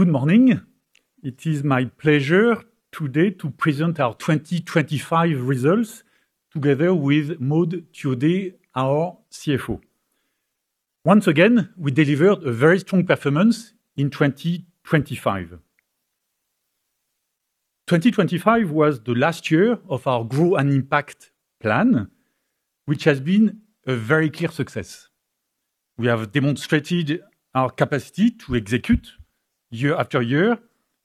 Good morning. It is my pleasure today to present our 2025 results together with Maud Thuaudet, our CFO. Once again, we delivered a very strong performance in 2025. 2025 was the last year of our Grow & Impact plan, which has been a very clear success. We have demonstrated our capacity to execute year after year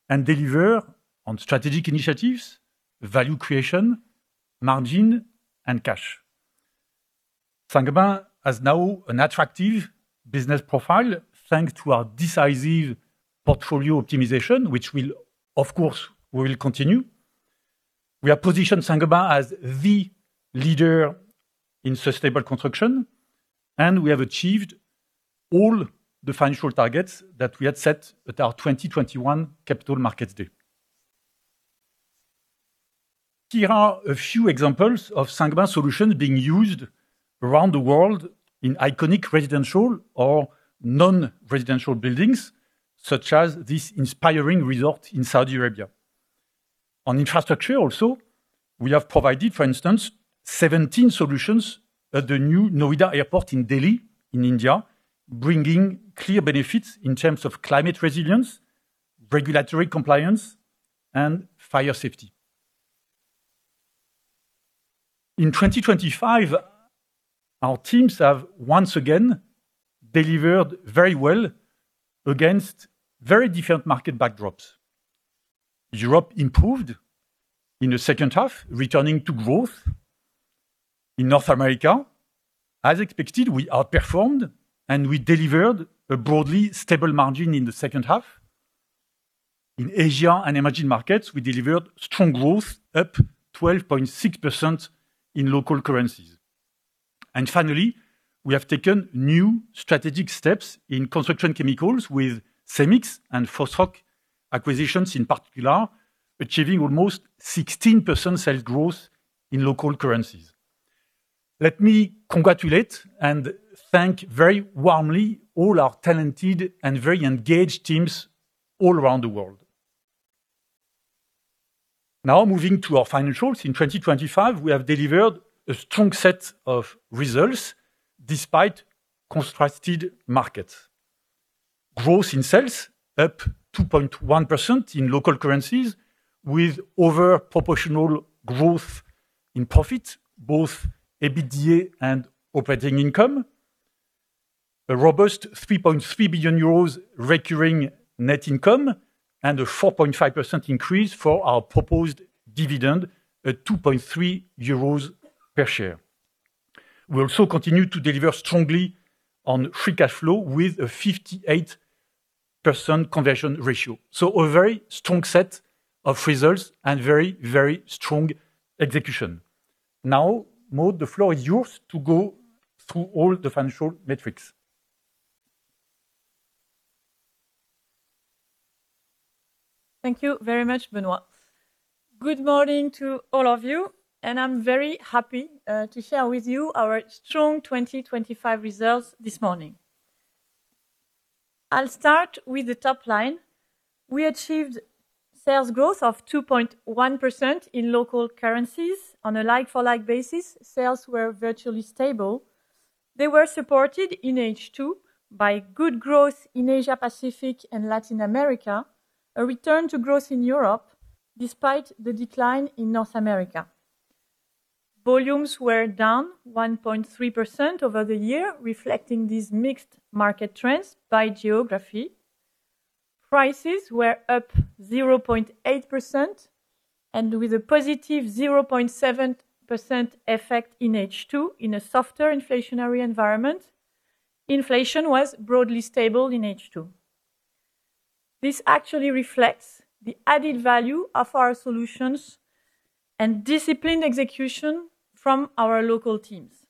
and deliver on strategic initiatives, value creation, margin, and cash. Saint-Gobain has now an attractive business profile, thanks to our decisive portfolio optimization, which will, of course, we will continue. We have positioned Saint-Gobain as the leader in sustainable construction, and we have achieved all the financial targets that we had set at our 2021 Capital Markets Day. Here are a few examples of Saint-Gobain solutions being used around the world in iconic residential or non-residential buildings, such as this inspiring resort in Saudi Arabia. On infrastructure also, we have provided, for instance, 17 solutions at the new Noida Airport in Delhi, in India, bringing clear benefits in terms of climate resilience, regulatory compliance, and fire safety. In 2025, our teams have once again delivered very well against very different market backdrops. Europe improved in the second half, returning to growth. In North America, as expected, we outperformed, and we delivered a broadly stable margin in the second half. In Asia and emerging markets, we delivered strong growth, up 12.6% in local currencies. Finally, we have taken new strategic steps in construction chemicals with Cemix and FOSROC acquisitions in particular, achieving almost 16% sales growth in local currencies. Let me congratulate and thank very warmly all our talented and very engaged teams all around the world. Now, moving to our financials. In 2025, we have delivered a strong set of results despite contrasted markets. Growth in sales up 2.1% in local currencies, with over proportional growth in profits, both EBITDA and operating income. A robust 3.3 billion euros recurring net income, and a 4.5% increase for our proposed dividend at 2.3 euros per share. We also continue to deliver strongly on free cash flow with a 58% conversion ratio. A very strong set of results and very strong execution. Now, Maud, the floor is yours to go through all the financial metrics. Thank you very much, Benoit. Good morning to all of you. I'm very happy to share with you our strong 2025 results this morning. I'll start with the top line. We achieved sales growth of 2.1% in local currencies. On a like-for-like basis, sales were virtually stable. They were supported in H2 by good growth in Asia Pacific and Latin America, a return to growth in Europe, despite the decline in North America. Volumes were down 1.3% over the year, reflecting these mixed market trends by geography. Prices were up 0.8%, and with a positive 0.7% effect in H2 in a softer inflationary environment, inflation was broadly stable in H2. This actually reflects the added value of our solutions and disciplined execution from our local teams.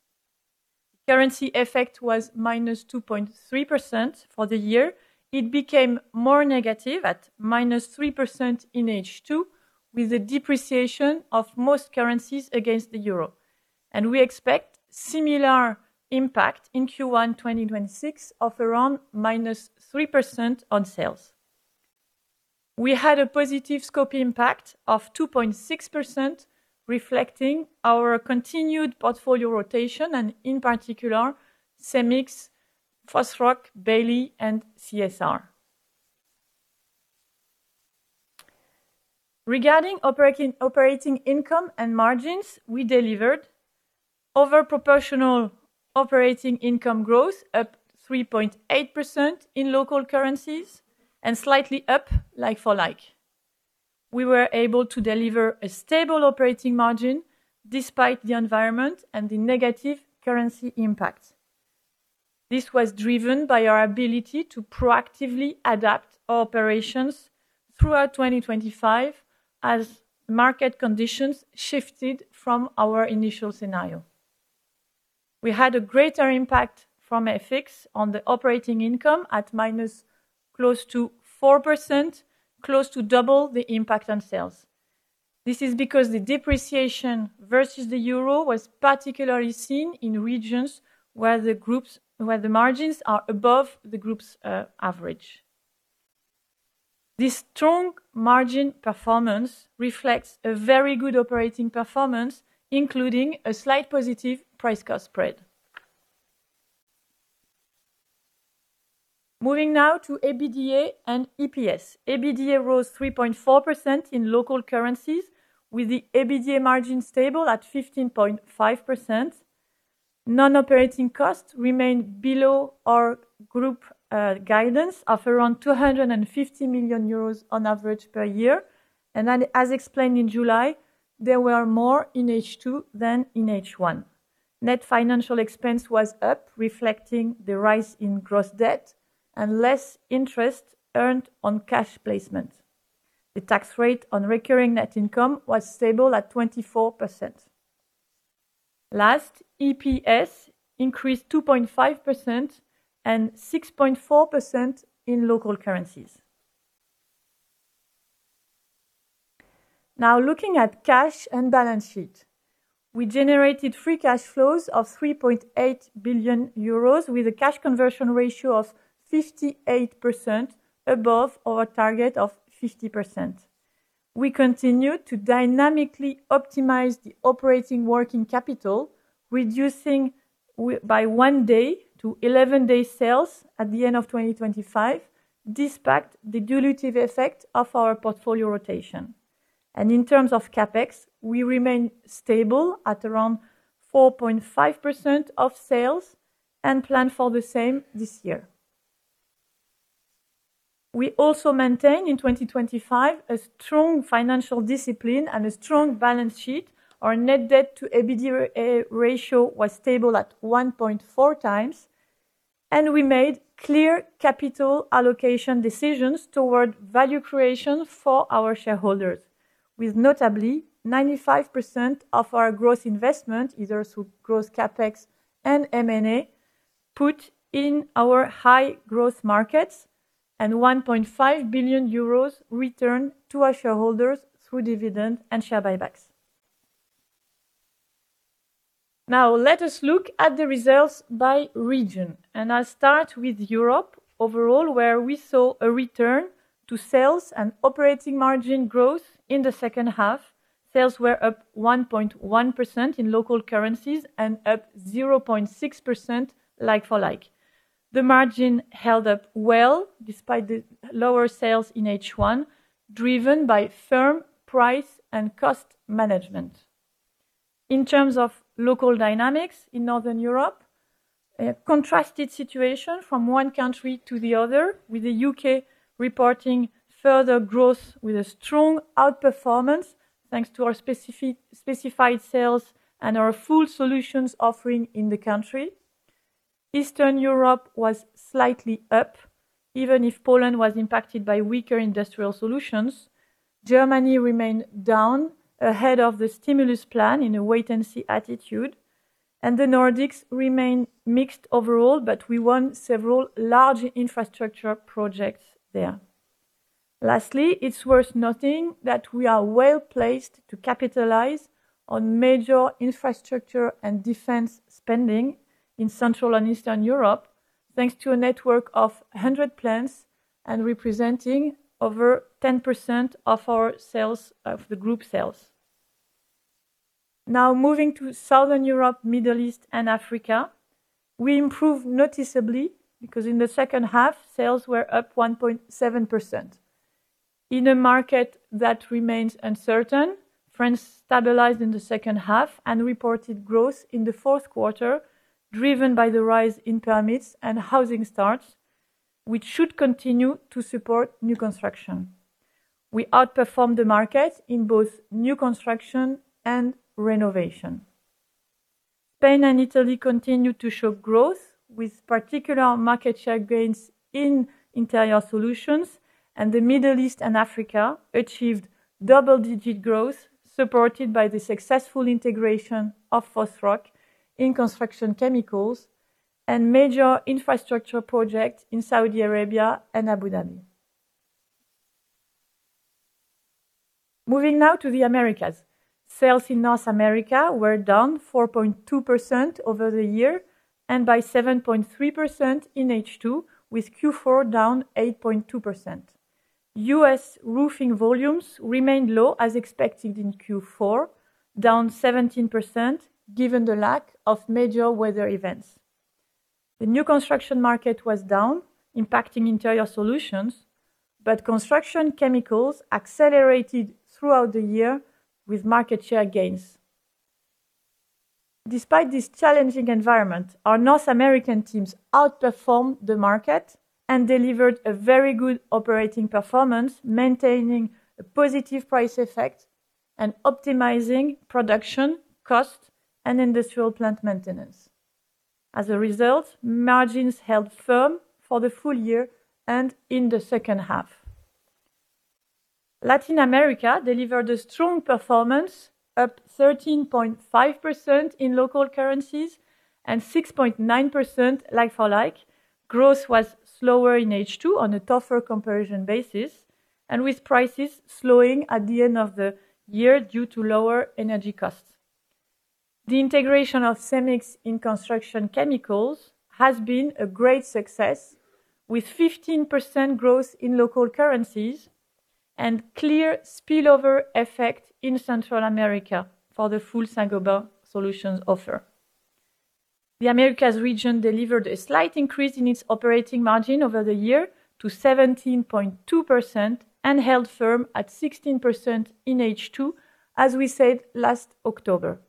Currency effect was -2.3% for the year. It became more negative at -3% in H2, with a depreciation of most currencies against the euro. We expect similar impact in Q1 2026 of around -3% on sales. We had a positive scope impact of 2.6%, reflecting our continued portfolio rotation and in particular, Cemix, FOSROC, Bailey, and CSR. Regarding operating income and margins, we delivered over proportional operating income growth, up 3.8% in local currencies and slightly up like-for-like. We were able to deliver a stable operating margin despite the environment and the negative currency impact. This was driven by our ability to proactively adapt our operations throughout 2025 as market conditions shifted from our initial scenario. We had a greater impact from FX on the operating income at minus close to 4%, close to double the impact on sales. This is because the depreciation versus the euro was particularly seen in regions where the margins are above the group's average. This strong margin performance reflects a very good operating performance, including a slight positive price-cost spread. Moving now to EBITDA and EPS. EBITDA rose 3.4% in local currencies, with the EBITDA margin stable at 15.5%. Non-operating costs remained below our group guidance of around 250 million euros on average per year. As explained in July, there were more in H2 than in H1. Net financial expense was up, reflecting the rise in gross debt and less interest earned on cash placement. The tax rate on recurring net income was stable at 24%. EPS increased 2.5% and 6.4% in local currencies. Looking at cash and balance sheet. We generated free cash flows of 3.8 billion euros, with a cash conversion ratio of 58%, above our target of 50%. We continued to dynamically optimize the operating working capital, reducing by one day to 11 days sales at the end of 2025, despite the dilutive effect of our portfolio rotation. In terms of CapEx, we remain stable at around 4.5% of sales and plan for the same this year. We also maintain, in 2025, a strong financial discipline and a strong balance sheet. Our net debt to EBITDA ratio was stable at 1.4x, and we made clear capital allocation decisions toward value creation for our shareholders, with notably 95% of our growth investment, either through growth CapEx and M&A, put in our high growth markets, and 1.5 billion euros returned to our shareholders through dividend and share buybacks. Now, let us look at the results by region, and I'll start with Europe overall, where we saw a return to sales and operating margin growth in the second half. Sales were up 1.1% in local currencies and up 0.6% like-for-like. The margin held up well despite the lower sales in H1, driven by firm price and cost management. In terms of local dynamics in Northern Europe, a contrasted situation from one country to the other, with the U.K. reporting further growth with a strong outperformance, thanks to our specified sales and our full solutions offering in the country. Eastern Europe was slightly up, even if Poland was impacted by weaker industrial solutions. Germany remained down ahead of the stimulus plan in a wait-and-see attitude. The Nordics remained mixed overall, but we won several large infrastructure projects there. Lastly, it's worth noting that we are well-placed to capitalize on major infrastructure and defense spending in Central and Eastern Europe, thanks to a network of 100 plants and representing over 10% of the group sales. Moving to Southern Europe, Middle East, and Africa, we improved noticeably because in the second half, sales were up 1.7%. In a market that remains uncertain, France stabilized in the second half and reported growth in the fourth quarter, driven by the rise in permits and housing starts, which should continue to support new construction. We outperformed the market in both new construction and renovation. Spain and Italy continued to show growth, with particular market share gains in interior solutions. The Middle East and Africa achieved double-digit growth, supported by the successful integration of FOSROC in construction chemicals and major infrastructure project in Saudi Arabia and Abu Dhabi. Moving now to the Americas. Sales in North America were down 4.2% over the year and by 7.3% in H2, with Q4 down 8.2%. U.S. roofing volumes remained low as expected in Q4, down 17%, given the lack of major weather events. The new construction market was down, impacting interior solutions, but construction chemicals accelerated throughout the year with market share gains. Despite this challenging environment, our North American teams outperformed the market and delivered a very good operating performance, maintaining a positive price effect and optimizing production, cost, and industrial plant maintenance. As a result, margins held firm for the full year and in the second half. Latin America delivered a strong performance, up 13.5% in local currencies and 6.9% like-for-like. Growth was slower in H2 on a tougher comparison basis, and with prices slowing at the end of the year due to lower energy costs. The integration of Cemex in construction chemicals has been a great success, with 15% growth in local currencies and clear spillover effect in Central America for the full Saint-Gobain solutions offer. The Americas region delivered a slight increase in its operating margin over the year to 17.2%, and held firm at 16% in H2, as we said last October.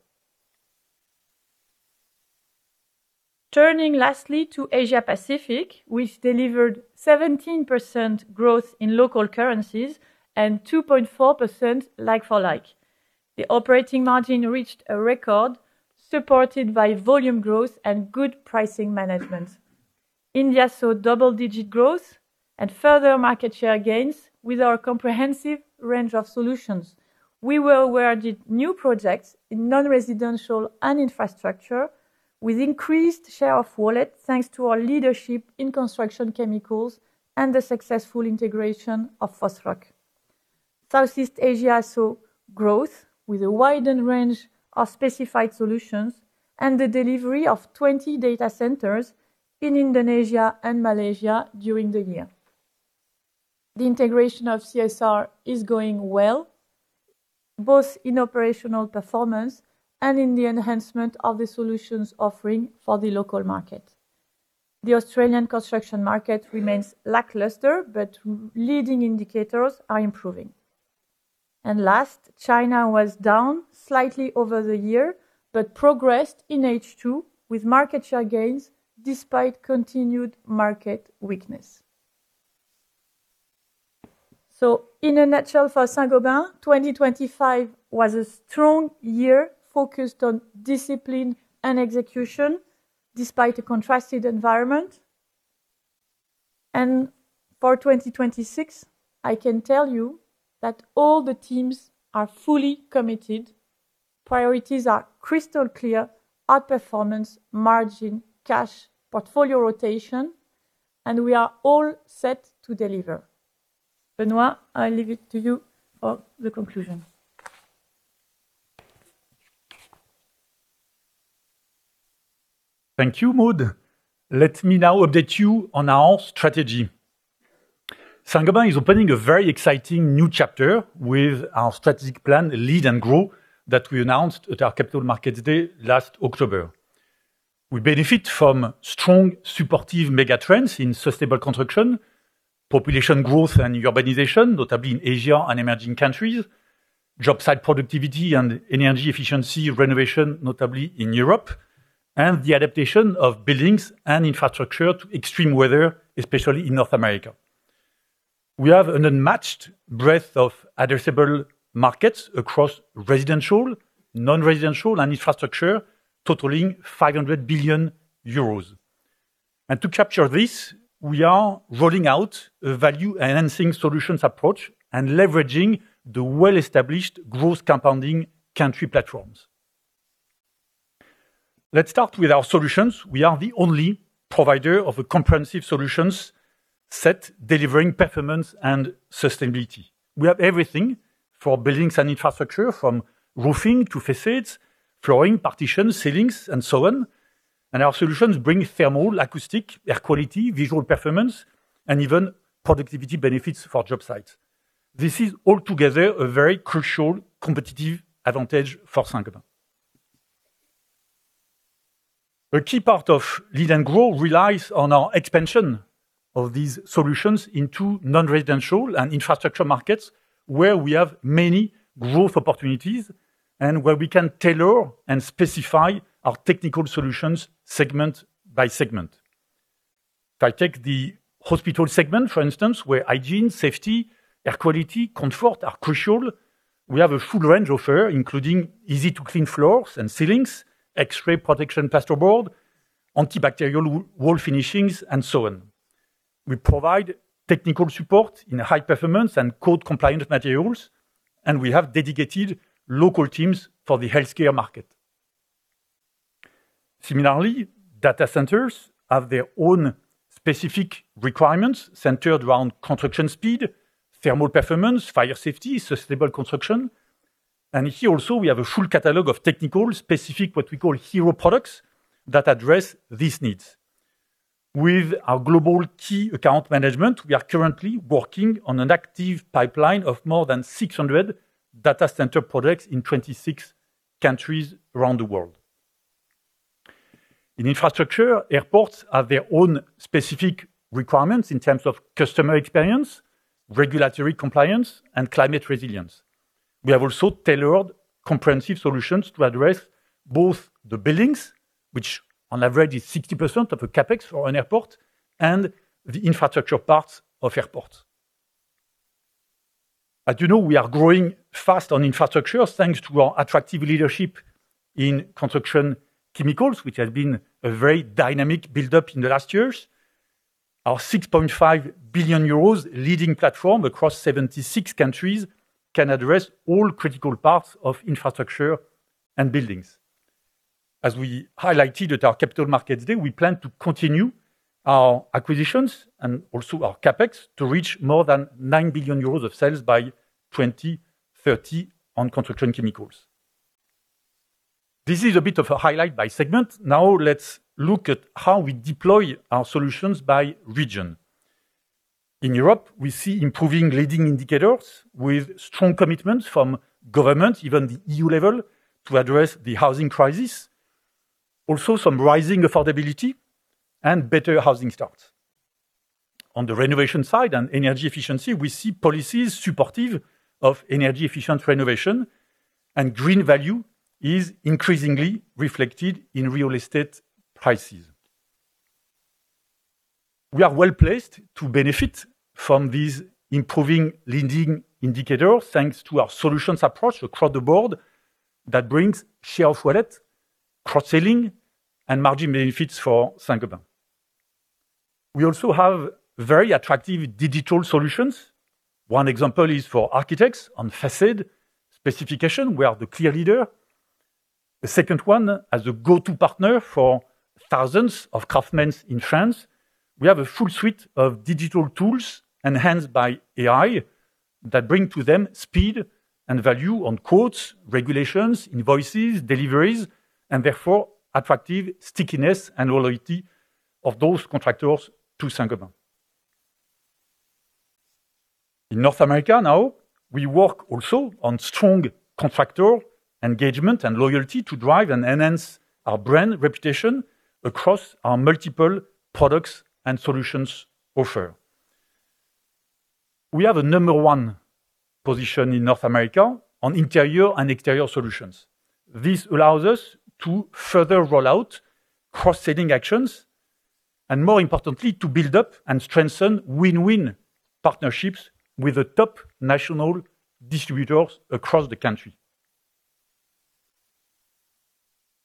Turning lastly to Asia Pacific, which delivered 17% growth in local currencies and 2.4% like-for-like. The operating margin reached a record supported by volume growth and good pricing management. India saw double-digit growth and further market share gains with our comprehensive range of solutions. We were awarded new projects in non-residential and infrastructure, with increased share of wallet, thanks to our leadership in construction chemicals and the successful integration of FOSROC. Southeast Asia saw growth with a widened range of specified solutions and the delivery of 20 data centers in Indonesia and Malaysia during the year. The integration of CSR is going well, both in operational performance and in the enhancement of the solutions offering for the local market. The Australian construction market remains lackluster, but leading indicators are improving. Last, China was down slightly over the year but progressed in H2 with market share gains despite continued market weakness. In a nutshell, for Saint-Gobain, 2025 was a strong year focused on discipline and execution despite a contrasted environment. For 2026, I can tell you that all the teams are fully committed. Priorities are crystal clear: outperformance, margin, cash, portfolio rotation, and we are all set to deliver. Benoit, I leave it to you for the conclusion. Thank you, Maud. Let me now update you on our strategy. Saint-Gobain is opening a very exciting new chapter with our strategic plan, Lead & Grow, that we announced at our Capital Markets Day last October. We benefit from strong, supportive mega trends in sustainable construction, population growth and urbanization, notably in Asia and emerging countries, job site productivity and energy efficiency renovation, notably in Europe, and the adaptation of buildings and infrastructure to extreme weather, especially in North America. We have an unmatched breadth of addressable markets across residential, non-residential, and infrastructure, totaling 500 billion euros. To capture this, we are rolling out a value-enhancing solutions approach and leveraging the well-established growth compounding country platforms. Let's start with our solutions. We are the only provider of a comprehensive solutions set, delivering performance and sustainability. We have everything for buildings and infrastructure, from roofing to facades, flooring, partitions, ceilings, and so on. Our solutions bring thermal, acoustic, air quality, visual performance, and even productivity benefits for job sites. This is altogether a very crucial competitive advantage for Saint-Gobain. A key part of Lead & Grow relies on our expansion of these solutions into non-residential and infrastructure markets, where we have many growth opportunities, and where we can tailor and specify our technical solutions segment by segment. If I take the hospital segment, for instance, where hygiene, safety, air quality, comfort are crucial, we have a full range offer, including easy-to-clean floors and ceilings, X-ray protection plasterboard, antibacterial wall finishings, and so on. We provide technical support in high-performance and code-compliant materials, and we have dedicated local teams for the healthcare market. Similarly, data centers have their own specific requirements centered around construction speed, thermal performance, fire safety, sustainable construction. Here also, we have a full catalog of technical, specific, what we call hero products, that address these needs. With our global key account management, we are currently working on an active pipeline of more than 600 data center projects in 26 countries around the world. In infrastructure, airports have their own specific requirements in terms of customer experience, regulatory compliance, and climate resilience. We have also tailored comprehensive solutions to address both the buildings, which on average, is 60% of the CapEx for an airport, and the infrastructure parts of airports. As you know, we are growing fast on infrastructure, thanks to our attractive leadership in construction chemicals, which have been a very dynamic buildup in the last years. Our 6.5 billion euros leading platform across 76 countries can address all critical parts of infrastructure and buildings. As we highlighted at our Capital Markets Day, we plan to continue our acquisitions and also our CapEx to reach more than 9 billion euros of sales by 2030 on construction chemicals. This is a bit of a highlight by segment. Now, let's look at how we deploy our solutions by region. In Europe, we see improving leading indicators with strong commitment from government, even the EU level, to address the housing crisis. Also, some rising affordability and better housing starts. On the renovation side and energy efficiency, we see policies supportive of energy-efficient renovation, and green value is increasingly reflected in real estate prices. We are well-placed to benefit from these improving lending indicators, thanks to our solutions approach across the board that brings share of wallet, cross-selling, and margin benefits for Saint-Gobain. We also have very attractive digital solutions. One example is for architects on facade specification, we are the clear leader. The second one, as a go-to partner for thousands of craftsmen in France, we have a full suite of digital tools enhanced by AI that bring to them speed and value on quotes, regulations, invoices, deliveries, and therefore attractive stickiness and loyalty of those contractors to Saint-Gobain. In North America now, we work also on strong contractor engagement and loyalty to drive and enhance our brand reputation across our multiple products and solutions offer. We have a number one position in North America on interior and exterior solutions. This allows us to further roll out cross-selling actions, more importantly, to build up and strengthen win-win partnerships with the top national distributors across the country.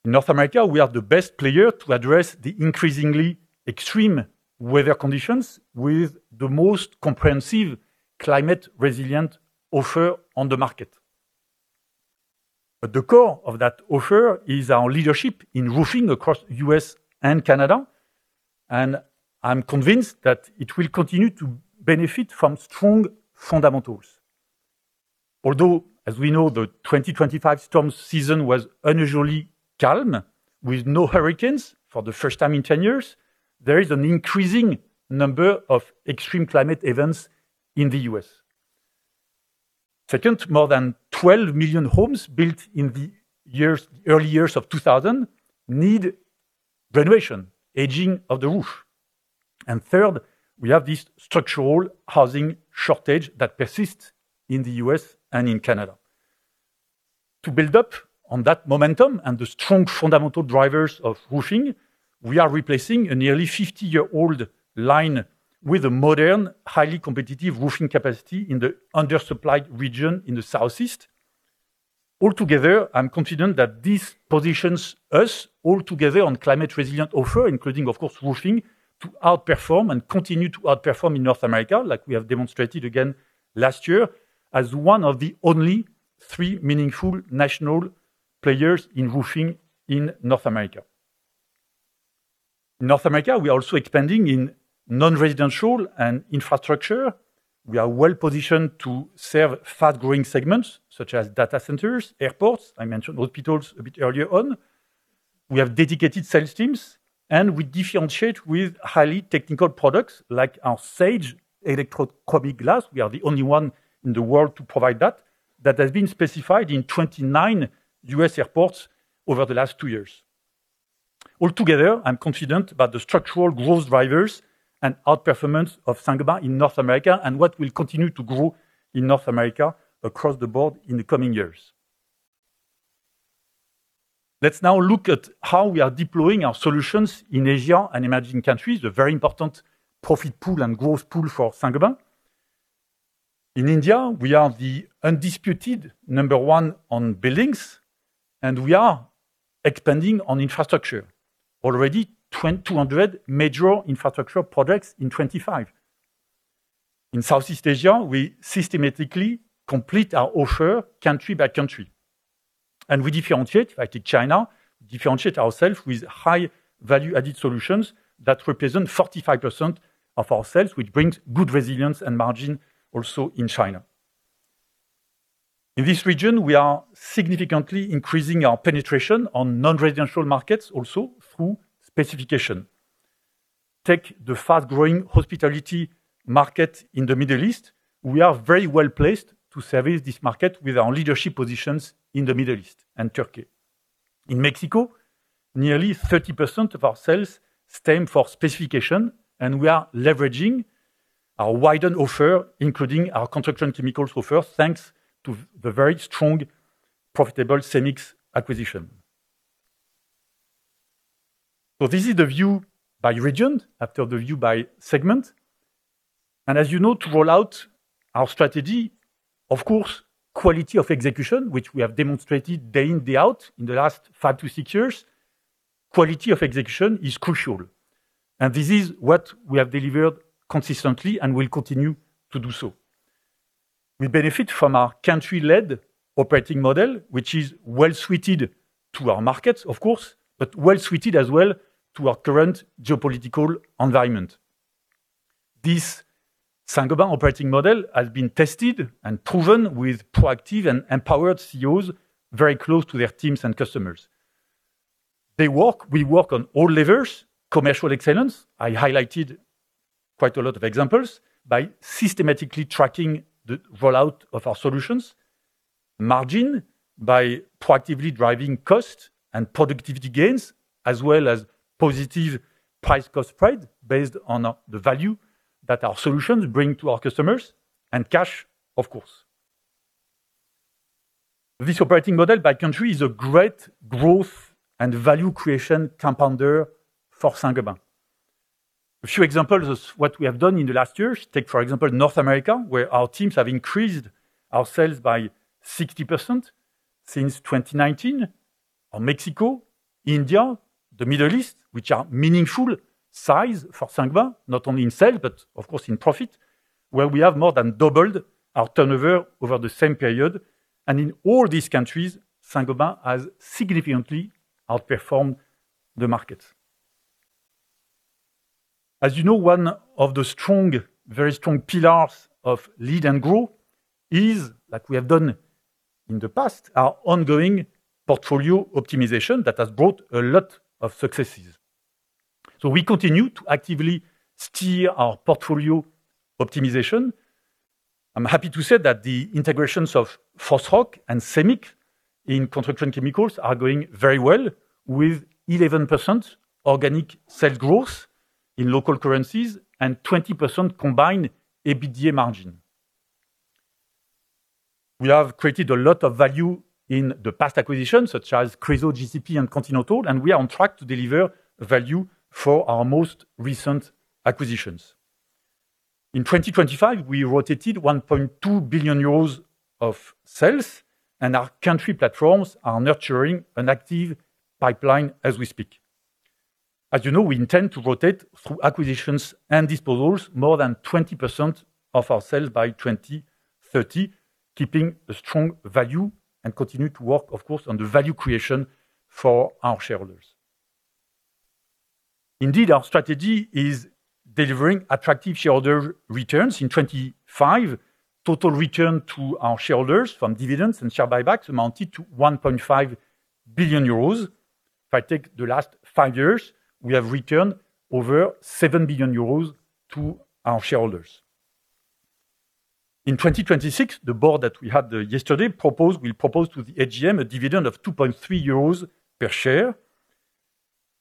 In North America, we are the best player to address the increasingly extreme weather conditions with the most comprehensive climate-resilient offer on the market. At the core of that offer is our leadership in roofing across U.S. and Canada, I'm convinced that it will continue to benefit from strong fundamentals. Although, as we know, the 2025 storm season was unusually calm, with no hurricanes for the first time in 10 years, there is an increasing number of extreme climate events in the U.S. Second, more than 12 million homes built in the early years of 2000 need renovation, aging of the roof. Third, we have this structural housing shortage that persists in the U.S. and in Canada. To build up on that momentum and the strong fundamental drivers of roofing, we are replacing a nearly 50-year-old line with a modern, highly competitive roofing capacity in the undersupplied region in the Southeast. Altogether, I'm confident that this positions us all together on climate-resilient offer, including, of course, roofing, to outperform and continue to outperform in North America, like we have demonstrated again last year, as one of the only three meaningful national players in roofing in North America. In North America, we are also expanding in non-residential and infrastructure. We are well-positioned to serve fast-growing segments such as data centers, airports, I mentioned hospitals a bit earlier on. We have dedicated sales teams, and we differentiate with highly technical products like our Sage electrochromic glass. We are the only one in the world to provide that. That has been specified in 29 U.S. airports over the last two years. Altogether, I'm confident about the structural growth drivers and outperformance of Saint-Gobain in North America and what will continue to grow in North America across the board in the coming years. Let's now look at how we are deploying our solutions in Asia and emerging countries, a very important profit pool and growth pool for Saint-Gobain. In India, we are the undisputed number one on buildings, and we are expanding on infrastructure. Already 200 major infrastructure products in 2025. In Southeast Asia, we systematically complete our offer country by country, and we differentiate, like in China, differentiate ourself with high-value-added solutions that represent 45% of our sales, which brings good resilience and margin also in China. In this region, we are significantly increasing our penetration on non-residential markets also through specification. Take the fast-growing hospitality market in the Middle East. We are very well-placed to service this market with our leadership positions in the Middle East and Turkey. In Mexico, nearly 30% of our sales stem from specification, we are leveraging our widened offer, including our construction chemicals offer, thanks to the very strong, profitable Cemex acquisition. This is the view by region after the view by segment. As you know, to roll out our strategy, of course, quality of execution, which we have demonstrated day in, day out in the last five to six years, quality of execution is crucial, and this is what we have delivered consistently and will continue to do so. We benefit from our country-led operating model, which is well-suited to our markets, of course, but well-suited as well to our current geopolitical environment. This Saint-Gobain operating model has been tested and proven with proactive and empowered CEOs, very close to their teams and customers. We work on all levers, commercial excellence. I highlighted quite a lot of examples by systematically tracking the rollout of our solutions, margin by proactively driving costs and productivity gains, as well as positive price-cost spread based on the value that our solutions bring to our customers and cash, of course. This operating model by country is a great growth and value creation compounder for Saint-Gobain. A few examples of what we have done in the last years. Take, for example, North America, where our teams have increased our sales by 60% since 2019, or Mexico, India, the Middle East, which are meaningful size for Saint-Gobain, not only in sales, but of course in profit, where we have more than doubled our turnover over the same period. In all these countries, Saint-Gobain has significantly outperformed the market. As you know, one of the strong, very strong pillars of Lead & Grow is, like we have done in the past, our ongoing portfolio optimization that has brought a lot of successes. We continue to actively steer our portfolio optimization. I'm happy to say that the integrations of FOSROC and Cemix in construction chemicals are going very well, with 11% organic sales growth in local currencies and 20% combined EBITDA margin. We have created a lot of value in the past acquisitions such as Chryso, GCP, and Continental, we are on track to deliver value for our most recent acquisitions. In 2025, we rotated 1.2 billion euros of sales, our country platforms are nurturing an active pipeline as we speak. As you know, we intend to rotate through acquisitions and disposals more than 20% of our sales by 2030, keeping a strong value and continue to work, of course, on the value creation for our shareholders. Indeed, our strategy is delivering attractive shareholder returns. In 2025, total return to our shareholders from dividends and share buybacks amounted to 1.5 billion euros. If I take the last five years, we have returned over 7 billion euros to our shareholders. In 2026, the board that we had yesterday proposed, will propose to the AGM a dividend of 2.3 euros per share.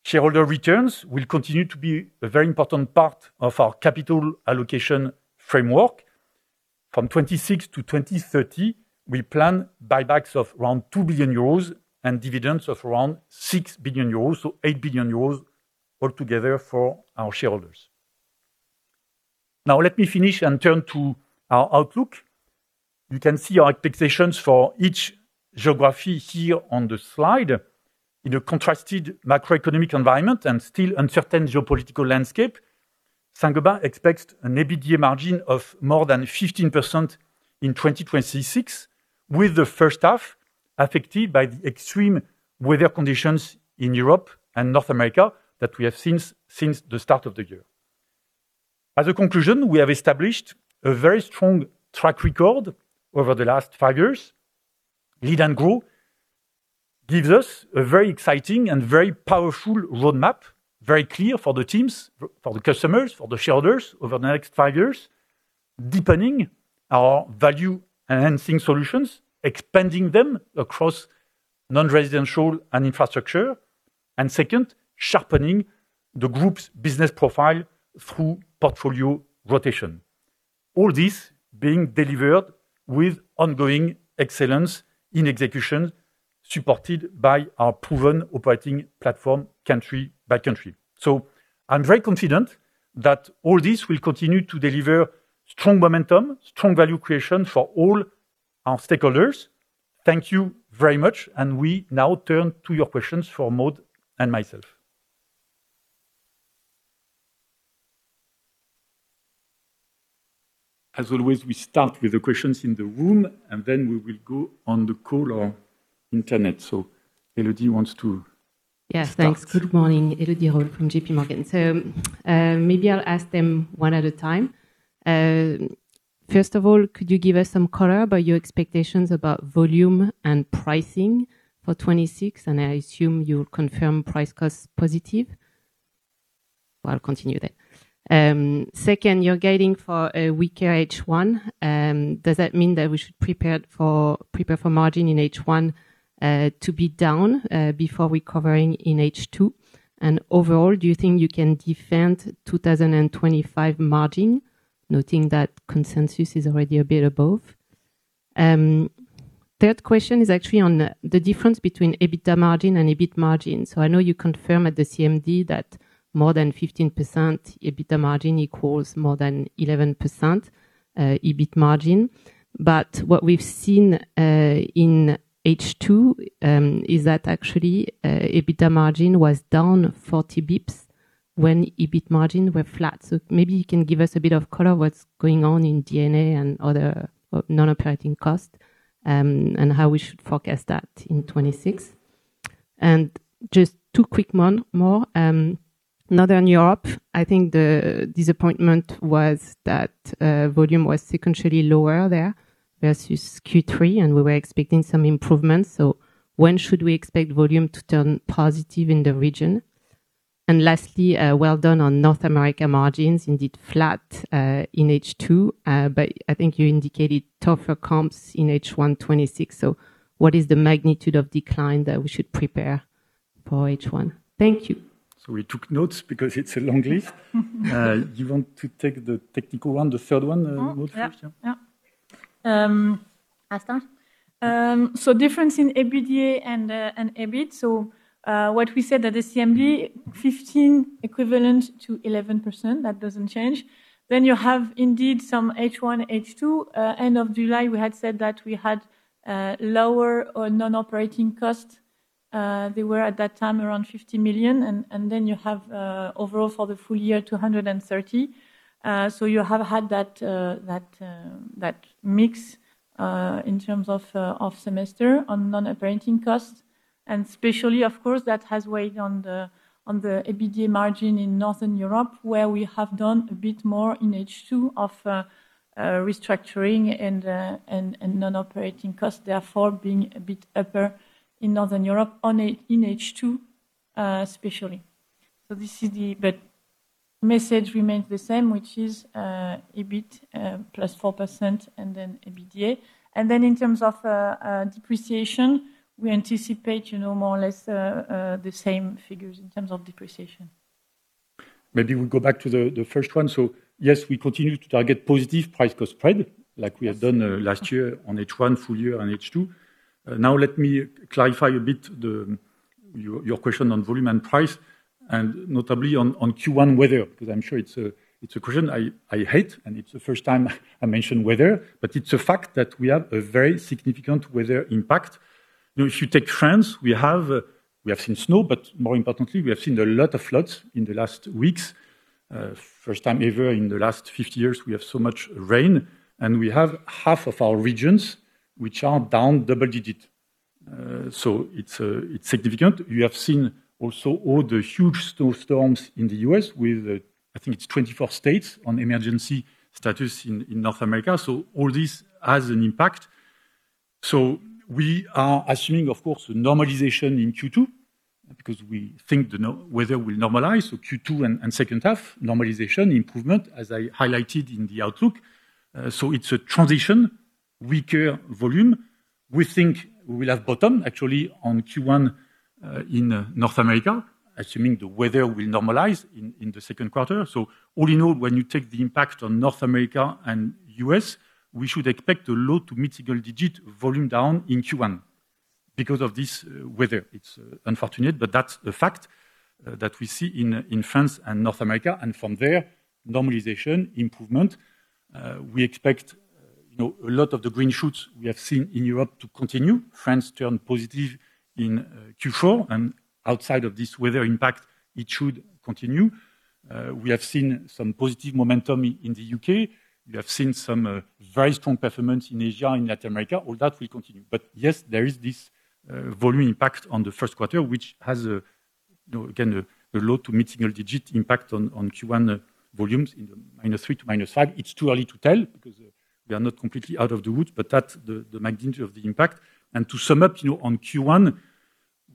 Shareholder returns will continue to be a very important part of our capital allocation framework. From 2026 to 2030, we plan buybacks of around 2 billion euros and dividends of around 6 billion euros, so 8 billion euros altogether for our shareholders. Let me finish and turn to our outlook. You can see our expectations for each geography here on the slide. In a contrasted macroeconomic environment and still uncertain geopolitical landscape, Saint-Gobain expects an EBITDA margin of more than 15% in 2026, with the first half affected by the extreme weather conditions in Europe and North America that we have seen since the start of the year. As a conclusion, we have established a very strong track record over the last five years. Lead & Grow gives us a very exciting and very powerful roadmap, very clear for the teams, for the customers, for the shareholders over the next five years, deepening our value-enhancing solutions, expanding them across non-residential and infrastructure, and second, sharpening the group's business profile through portfolio rotation. All this being delivered with ongoing excellence in execution, supported by our proven operating platform, country by country. I'm very confident that all this will continue to deliver strong momentum, strong value creation for all our stakeholders. Thank you very much. We now turn to your questions for Maud and myself. As always, we start with the questions in the room, and then we will go on the call or internet. Elodie wants to start. Yes, thanks. Good morning, Elodie Rall from JPMorgan. Maybe I'll ask them one at a time. First of all, could you give us some color about your expectations about volume and pricing for 2026? I assume you'll confirm price-cost positive. I'll continue then. Second, you're guiding for a weaker H1. Does that mean that we should prepare for margin in H1 to be down before recovering in H2? Overall, do you think you can defend 2025 margin, noting that consensus is already a bit above? Third question is actually on the difference between EBITDA margin and EBIT margin. I know you confirm at the CMD that more than 15% EBITDA margin equals more than 11% EBIT margin. What we've seen in H2 is that actually EBITDA margin was down 40 basis points when EBIT margin were flat. Maybe you can give us a bit of color what's going on in D&A and other non-operating costs and how we should forecast that in 2026. Just two quick more. Northern Europe, I think the disappointment was that volume was sequentially lower there versus Q3, and we were expecting some improvements. When should we expect volume to turn positive in the region? Lastly, well done on North America margins, indeed flat in H2, but I think you indicated tougher comps in H1 2026. What is the magnitude of decline that we should prepare for H1? Thank you. We took notes because it's a long list. You want to take the technical one, the third one, first? Yeah. Yeah. I'll start. Difference in EBITDA and EBIT. What we said at the CMB, 15 equivalent to 11%, that doesn't change. You have indeed some H1, H2. End of July, we had said that we had lower or non-operating costs. They were at that time around 50 million, and then you have overall for the full year, 230 million. You have had that mix in terms of semester on non-operating costs. Especially, of course, that has weighed on the EBITDA margin in Northern Europe, where we have done a bit more in H2 of restructuring and non-operating costs, therefore, being a bit upper in Northern Europe in H2, especially. Message remains the same, which is, EBIT, +4% and then EBITDA. In terms of, depreciation, we anticipate, you know, more or less, the same figures in terms of depreciation. Maybe we go back to the first one. Yes, we continue to target positive price-cost spread, like we have done last year on H1, full year on H2. Now let me clarify a bit your question on volume and price, and notably on Q1 weather, because I'm sure it's a question I hate, and it's the first time I mention weather, but it's a fact that we have a very significant weather impact. You know, if you take France, we have seen snow, but more importantly, we have seen a lot of floods in the last weeks. First time ever in the last 50 years, we have so much rain, and we have half of our regions which are down double-digit. It's significant. We have seen also all the huge snowstorms in the U.S. with, I think it's 24 states on emergency status in North America. All this has an impact. We are assuming, of course, a normalization in Q2, because we think the weather will normalize. Q2 and second half, normalization, improvement, as I highlighted in the outlook. It's a transition, weaker volume. We think we will have bottom actually on Q1 in North America, assuming the weather will normalize in the second quarter. All in all, when you take the impact on North America and U.S., we should expect a low to mid-single digit volume down in Q1 because of this weather. It's unfortunate, but that's a fact that we see in France and North America, from there, normalization, improvement. We expect, you know, a lot of the green shoots we have seen in Europe to continue. France turned positive in Q4. Outside of this weather impact, it should continue. We have seen some positive momentum in the U.K. We have seen some very strong performance in Asia and Latin America. All that will continue. Yes, there is this volume impact on the first quarter, which has, you know, again, a low to mid-single digit impact on Q1 volumes in the -3% to -5%. It's too early to tell because we are not completely out of the woods, but that's the magnitude of the impact. To sum up, you know, on Q1,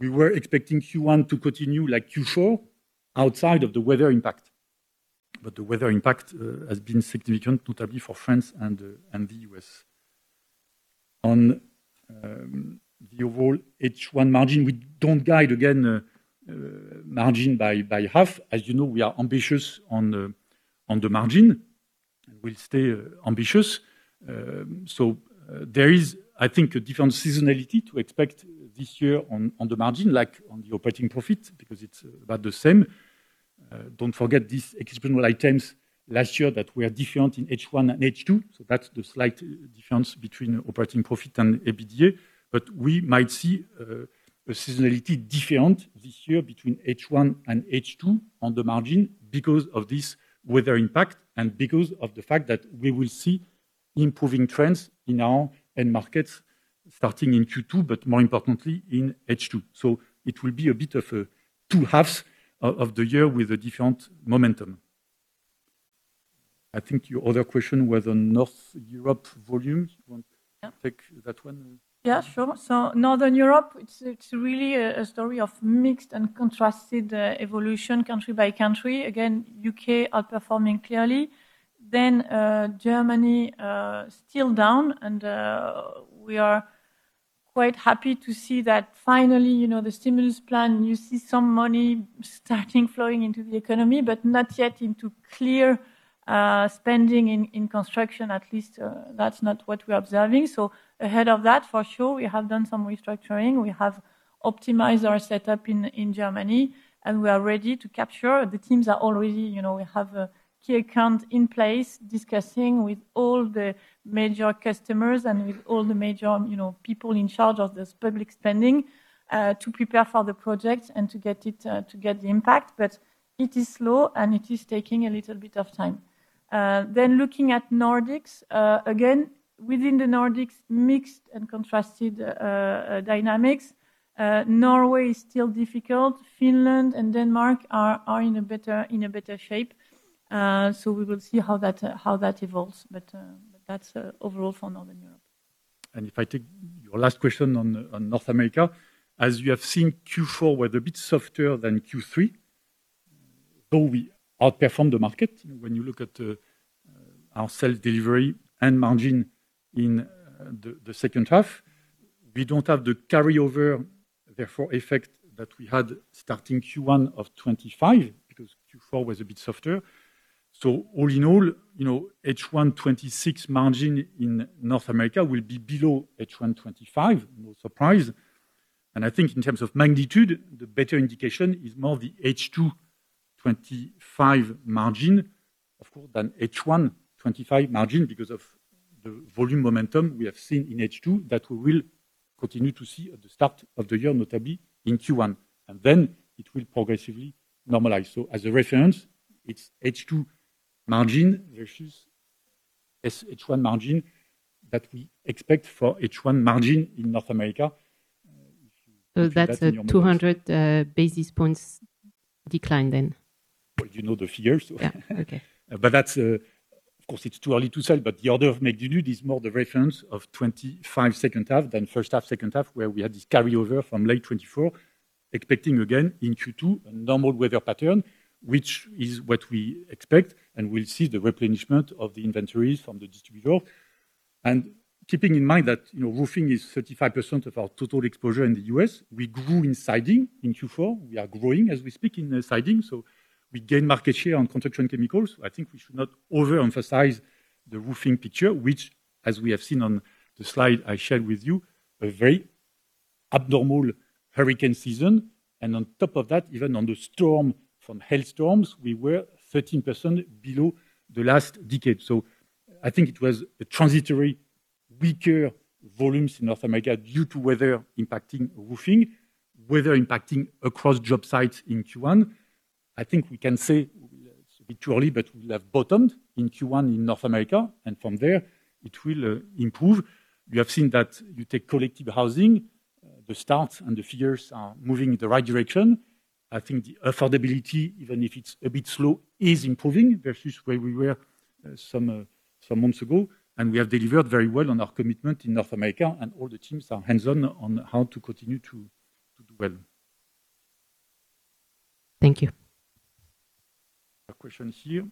we were expecting Q1 to continue like Q4, outside of the weather impact. The weather impact has been significant, totally for France and the U.S. On the overall H1 margin, we don't guide again margin by half. As you know, we are ambitious on the margin, and we'll stay ambitious. There is, I think, a different seasonality to expect this year on the margin, like on the operating profit, because it's about the same. Don't forget these exceptional items last year that were different in H1 and H2. That's the slight difference between operating profit and EBITDA. We might see a seasonality different this year between H1 and H2 on the margin because of this weather impact and because of the fact that we will see improving trends in our end markets starting in Q2, but more importantly, in H2. It will be a bit of a two halves of the year with a different momentum. I think your other question was on North Europe volume. Yeah. take that one? Yeah, sure. Northern Europe, it's really a story of mixed and contrasted evolution, country by country. U.K. are performing clearly. Germany still down, and we are quite happy to see that finally, you know, the stimulus plan, you see some money starting flowing into the economy, but not yet into clear spending in construction. At least, that's not what we're observing. Ahead of that, for sure, we have done some restructuring. We have optimized our setup in Germany, and we are ready to capture. The teams are already. You know, we have a key account in place, discussing with all the major customers and with all the major, you know, people in charge of this public spending, to prepare for the project and to get it, to get the impact. It is slow, and it is taking a little bit of time. Looking at Nordics, again, within the Nordics, mixed and contrasted dynamics. Norway is still difficult. Finland and Denmark are in a better shape. We will see how that evolves, but that's overall for Northern Europe. If I take your last question on North America, as you have seen, Q4 was a bit softer than Q3, though we outperformed the market. When you look at our sales delivery and margin in the second half, we don't have the carryover, therefore, effect that we had starting Q1 of 2025, because Q4 was a bit softer. All in all, you know, H1 2026 margin in North America will be below H1 2025. No surprise. I think in terms of magnitude, the better indication is more of the H2 2025 margin, of course, than H1 2025 margin, because of the volume momentum we have seen in H2 that we will continue to see at the start of the year, notably in Q1, and then it will progressively normalize. As a reference, it's H2 margin versus H1 margin that we expect for H1 margin in North America. That's a 200 basis points decline then? Well, you know the figures, so. Yeah. Okay. That's. Of course, it's too early to tell, but the order of magnitude is more the reference of 2025 second half than first half, second half, where we had this carryover from late 2024, expecting again in Q2 a normal weather pattern, which is what we expect, and we'll see the replenishment of the inventories from the distributor. Keeping in mind that, you know, roofing is 35% of our total exposure in the U.S., we grew in siding in Q4. We are growing as we speak in the siding, so we gain market share on construction chemicals. I think we should not overemphasize the roofing picture, which, as we have seen on the slide I shared with you, a very abnormal hurricane season. On top of that, even on the storm from hail storms, we were 13% below the last decade. I think it was a transitory, weaker volumes in North America due to weather impacting roofing, weather impacting across job sites in Q1. I think we can say it's a bit too early, but we have bottomed in Q1 in North America, and from there it will improve. We have seen that you take collective housing, the start and the figures are moving in the right direction. I think the affordability, even if it's a bit slow, is improving versus where we were, some months ago, and we have delivered very well on our commitment in North America, and all the teams are hands-on on how to continue to do well. Thank you. A question here.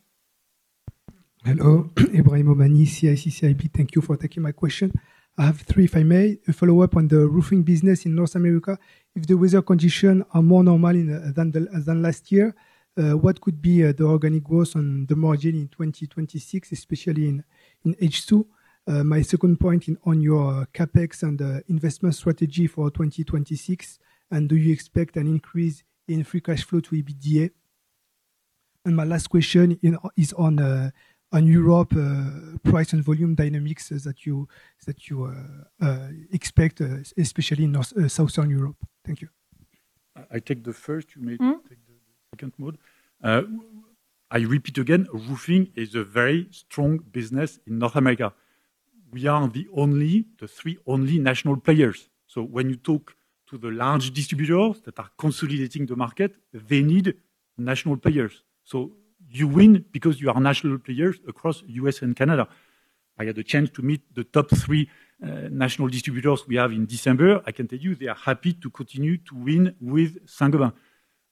Hello. Ebrahim Homani, CIC. Thank you for taking my question. I have three, if I may. A follow-up on the roofing business in North America. If the weather conditions are more normal than last year, what could be the organic growth on the margin in 2026, especially in H2? My second point on your CapEx and investment strategy for 2026, do you expect an increase in free cash flow to EBITDA? My last question is on Europe, price and volume dynamics that you expect, especially in North Southern Europe. Thank you. I take the first. You may take the second one. I repeat again, roofing is a very strong business in North America. We are the three only national players. When you talk to the large distributors that are consolidating the market, they need national players. You win because you are national players across U.S. and Canada. I had a chance to meet the top three national distributors we have in December. I can tell you, they are happy to continue to win with Saint-Gobain.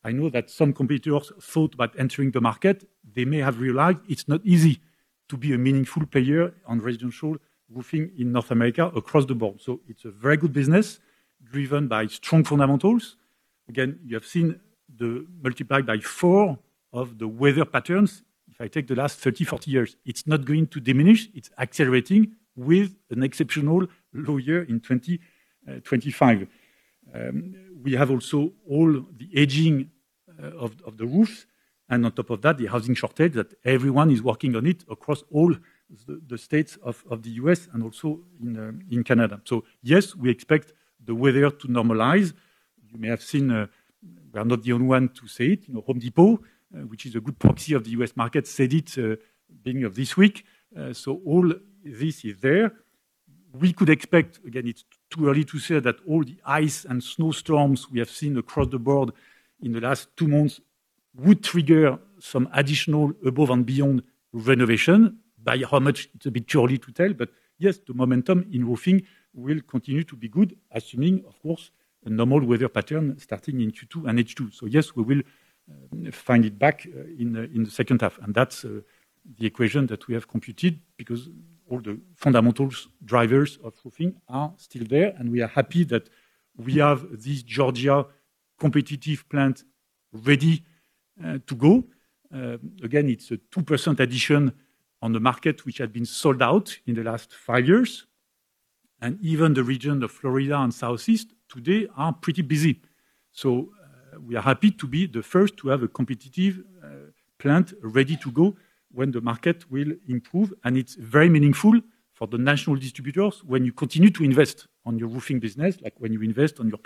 I know that some competitors thought about entering the market. They may have realized it's not easy to be a meaningful player on residential roofing in North America across the board. It's a very good business, driven by strong fundamentals. Again, you have seen the multiplied by four of the weather patterns. If I take the last 30, 40 years, it's not going to diminish. It's accelerating with an exceptional low year in 2025. We have also all the aging of the roofs, and on top of that, the housing shortage, that everyone is working on it across all the states of the U.S. and also in Canada. Yes, we expect the weather to normalize. You may have seen, we are not the only one to say it. You know, Home Depot, which is a good proxy of the U.S. market, said it beginning of this week. All this is there. We could expect, again, it's too early to say that all the ice and snowstorms we have seen across the board in the last two months would trigger some additional above and beyond renovation. By how much, it's a bit too early to tell, but yes, the momentum in roofing will continue to be good, assuming, of course, a normal weather pattern starting in Q2 and H2. Yes, we will find it back, in the, in the second half, and that's the equation that we have computed, because all the fundamentals, drivers of roofing are still there, and we are happy that we have this Georgia competitive plant ready, to go. Again, it's a 2% addition on the market, which had been sold out in the last five years, and even the region of Florida and Southeast today are pretty busy. We are happy to be the first to have a competitive, plant ready to go when the market will improve. It's very meaningful for the national distributors when you continue to invest on your roofing business, like when you invest on your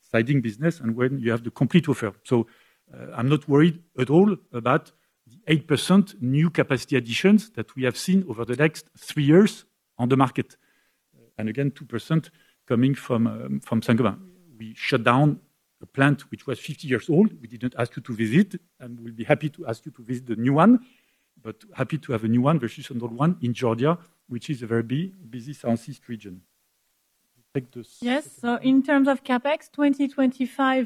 siding business and when you have the complete offer. I'm not worried at all about 8% new capacity additions that we have seen over the next three years on the market. Again, 2% coming from Saint-Gobain. We shut down a plant which was 50 years old. We didn't ask you to visit, and we'll be happy to ask you to visit the new one, but happy to have a new one versus an old one in Georgia, which is a very busy Southeast region. Take this- Yes, in terms of CapEx, 2025,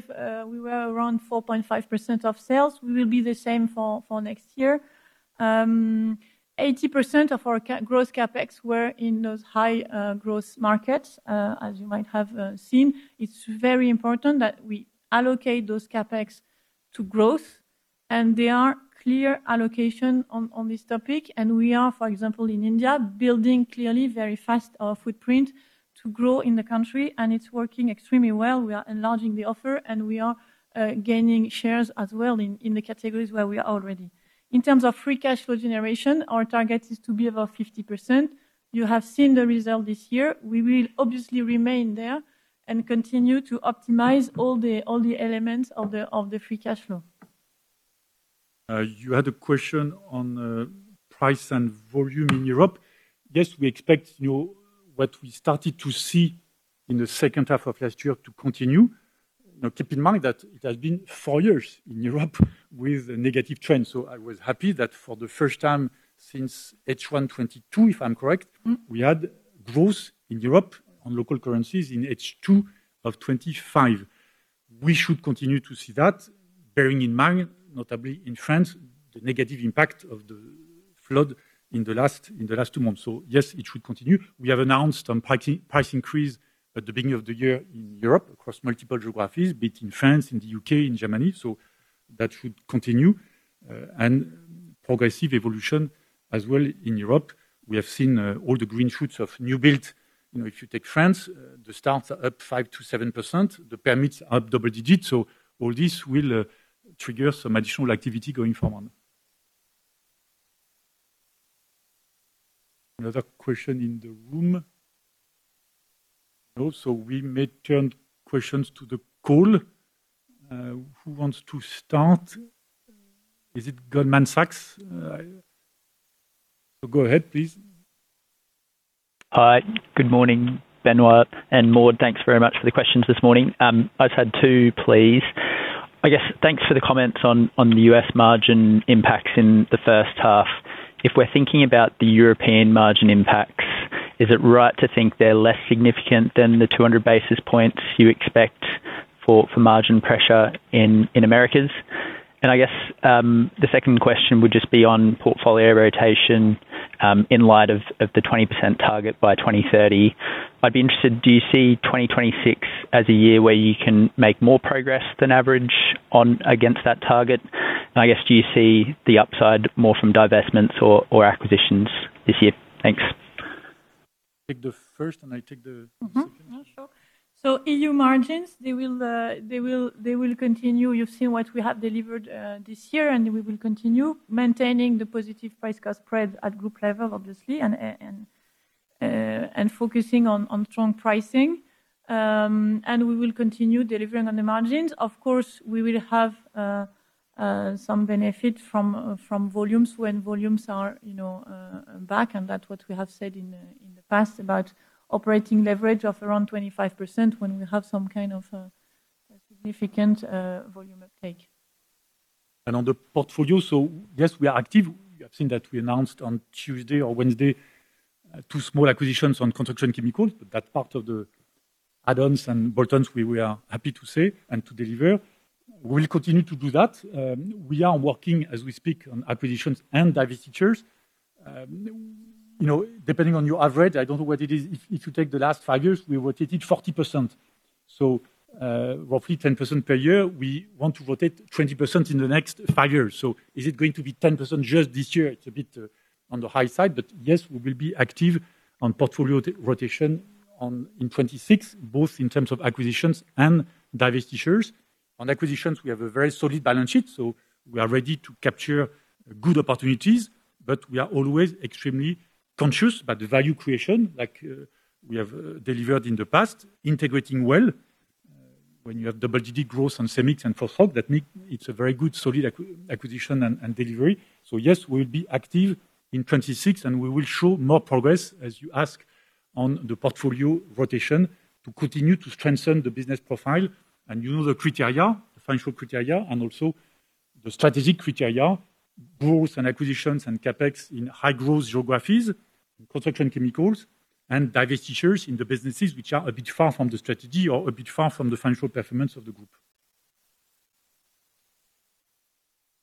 we were around 4.5% of sales. We will be the same for next year. 80% of our gross CapEx were in those high growth markets as you might have seen. It's very important that we allocate those CapEx to growth, and they are clear allocation on this topic, and we are, for example, in India, building clearly very fast our footprint to grow in the country, and it's working extremely well. We are enlarging the offer, and we are gaining shares as well in the categories where we are already. In terms of free cash flow generation, our target is to be above 50%. You have seen the result this year. We will obviously remain there and continue to optimize all the elements of the free cash flow. You had a question on price and volume in Europe. We expect, you know, what we started to see in the second half of last year to continue. Keep in mind that it has been four years in Europe with a negative trend. I was happy that for the first time since H1 2022, if I'm correct. Mm-hmm. We had growth in Europe on local currencies in H2 of 2025. We should continue to see that, bearing in mind, notably in France, the negative impact of the flood in the last two months. Yes, it should continue. We have announced on pricing, price increase at the beginning of the year in Europe across multiple geographies, be it in France, in the U.K., in Germany, that should continue. Progressive evolution as well in Europe. We have seen all the green shoots of new build. You know, if you take France, the starts are up 5%-7%, the permits are double-digits. All this will trigger some additional activity going forward. Another question in the room? No. We may turn questions to the call. Who wants to start? Is it Goldman Sachs? Go ahead, please. Hi, good morning, Benoit and Maud. Thanks very much for the questions this morning. I just had two, please. I guess thanks for the comments on the U.S. margin impacts in the first half. If we're thinking about the European margin impacts, is it right to think they're less significant than the 200 basis points you expect for margin pressure in Americas? I guess, the second question would just be on portfolio rotation, in light of the 20% target by 2030. I'd be interested, do you see 2026 as a year where you can make more progress than average against that target? I guess, do you see the upside more from divestments or acquisitions this year? Thanks. Take the first. I take the second one. Sure. EU margins, they will continue. You've seen what we have delivered this year, and we will continue maintaining the positive price-cost spread at group level, obviously, and focusing on strong pricing. We will continue delivering on the margins. Of course, we will have some benefit from volumes when volumes are, you know, back, and that's what we have said in the past about operating leverage of around 25% when we have some kind of significant volume uptake. On the portfolio, yes, we are active. You have seen that we announced on Tuesday or Wednesday, two small acquisitions on construction chemicals. That's part of the add-ons and bolt-ons we are happy to say and to deliver. We will continue to do that. We are working, as we speak, on acquisitions and divestitures. You know, depending on your average, I don't know what it is. If you take the last five years, we rotated 40%. Roughly 10% per year, we want to rotate 20% in the next five years. Is it going to be 10% just this year? It's a bit on the high side, but yes, we will be active on portfolio rotation in 2026, both in terms of acquisitions and divestitures. On acquisitions, we have a very solid balance sheet, so we are ready to capture good opportunities, but we are always extremely conscious about the value creation, like, we have delivered in the past, integrating well. When you have double-digit growth on Cemix and FOSROC, that means it's a very good, solid acquisition and delivery. Yes, we'll be active in 2026, and we will show more progress, as you ask, on the portfolio rotation to continue to strengthen the business profile. You know the criteria, the financial criteria, and also the strategic criteria, growth and acquisitions and CapEx in high-growth geographies, construction, chemicals, and divestitures in the businesses which are a bit far from the strategy or a bit far from the financial performance of the group.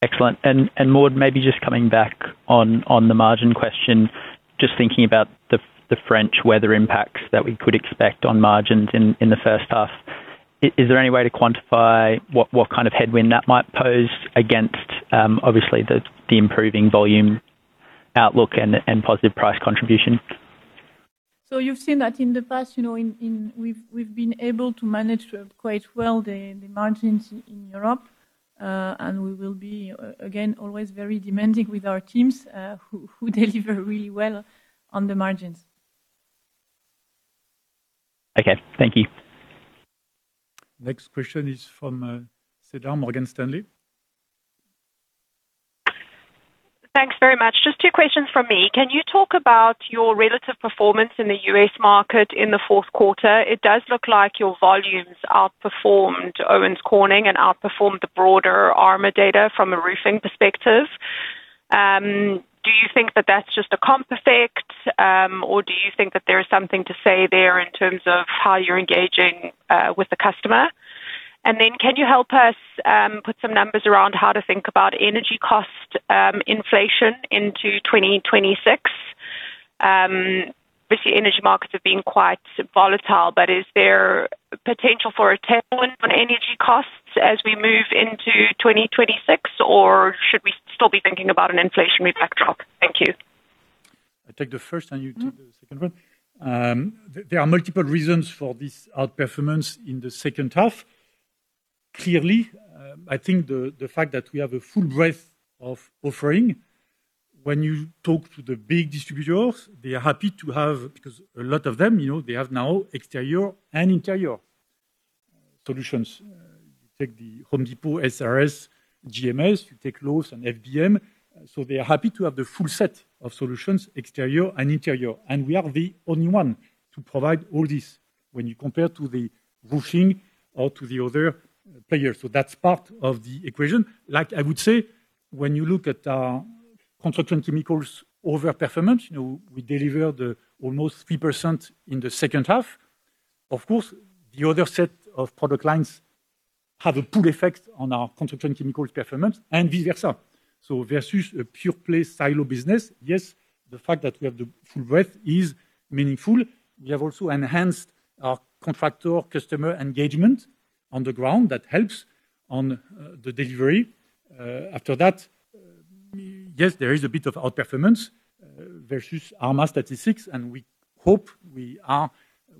Excellent. Maud, maybe just coming back on the margin question, just thinking about the French weather impacts that we could expect on margins in the first half. Is there any way to quantify what kind of headwind that might pose against, obviously, the improving volume outlook and positive price contribution? You've seen that in the past, you know, in we've been able to manage quite well the margins in Europe, and we will be again, always very demanding with our teams, who deliver really well on the margins. Okay, thank you. Next question is from Cedar Ekblom, Morgan Stanley. Thanks very much. Just two questions from me. Can you talk about your relative performance in the U.S. market in the fourth quarter? It does look like your volumes outperformed Owens Corning and outperformed the broader ARMA data from a roofing perspective. Do you think that that's just a comp effect, or do you think that there is something to say there in terms of how you're engaging with the customer? Can you help us put some numbers around how to think about energy cost inflation into 2026? Obviously, energy markets have been quite volatile, but is there potential for a tailwind on energy costs as we move into 2026, or should we still be thinking about an inflationary backdrop? Thank you. I take the first and you take the second one. There are multiple reasons for this outperformance in the second half. Clearly, I think the fact that we have a full breadth of offering, when you talk to the big distributors, they are happy to have, because a lot of them, you know, they have now exterior and interior solutions. you take The Home Depot, SRS Distribution, GMS, you take Lowe's and Foundation Building Materials. They are happy to have the full set of solutions, exterior and interior, and we are the only one to provide all this when you compare to the roofing or to the other players. That's part of the equation. Like I would say, when you look at our construction chemicals over performance, you know, we delivered almost 3% in the second half. Of course, the other set of product lines have a pull effect on our construction chemical performance, and vice versa. Versus a pure play silo business, yes, the fact that we have the full breadth is meaningful. We have also enhanced our contractor-customer engagement on the ground. That helps on the delivery. After that, yes, there is a bit of outperformance versus Armor statistics, and we hope we are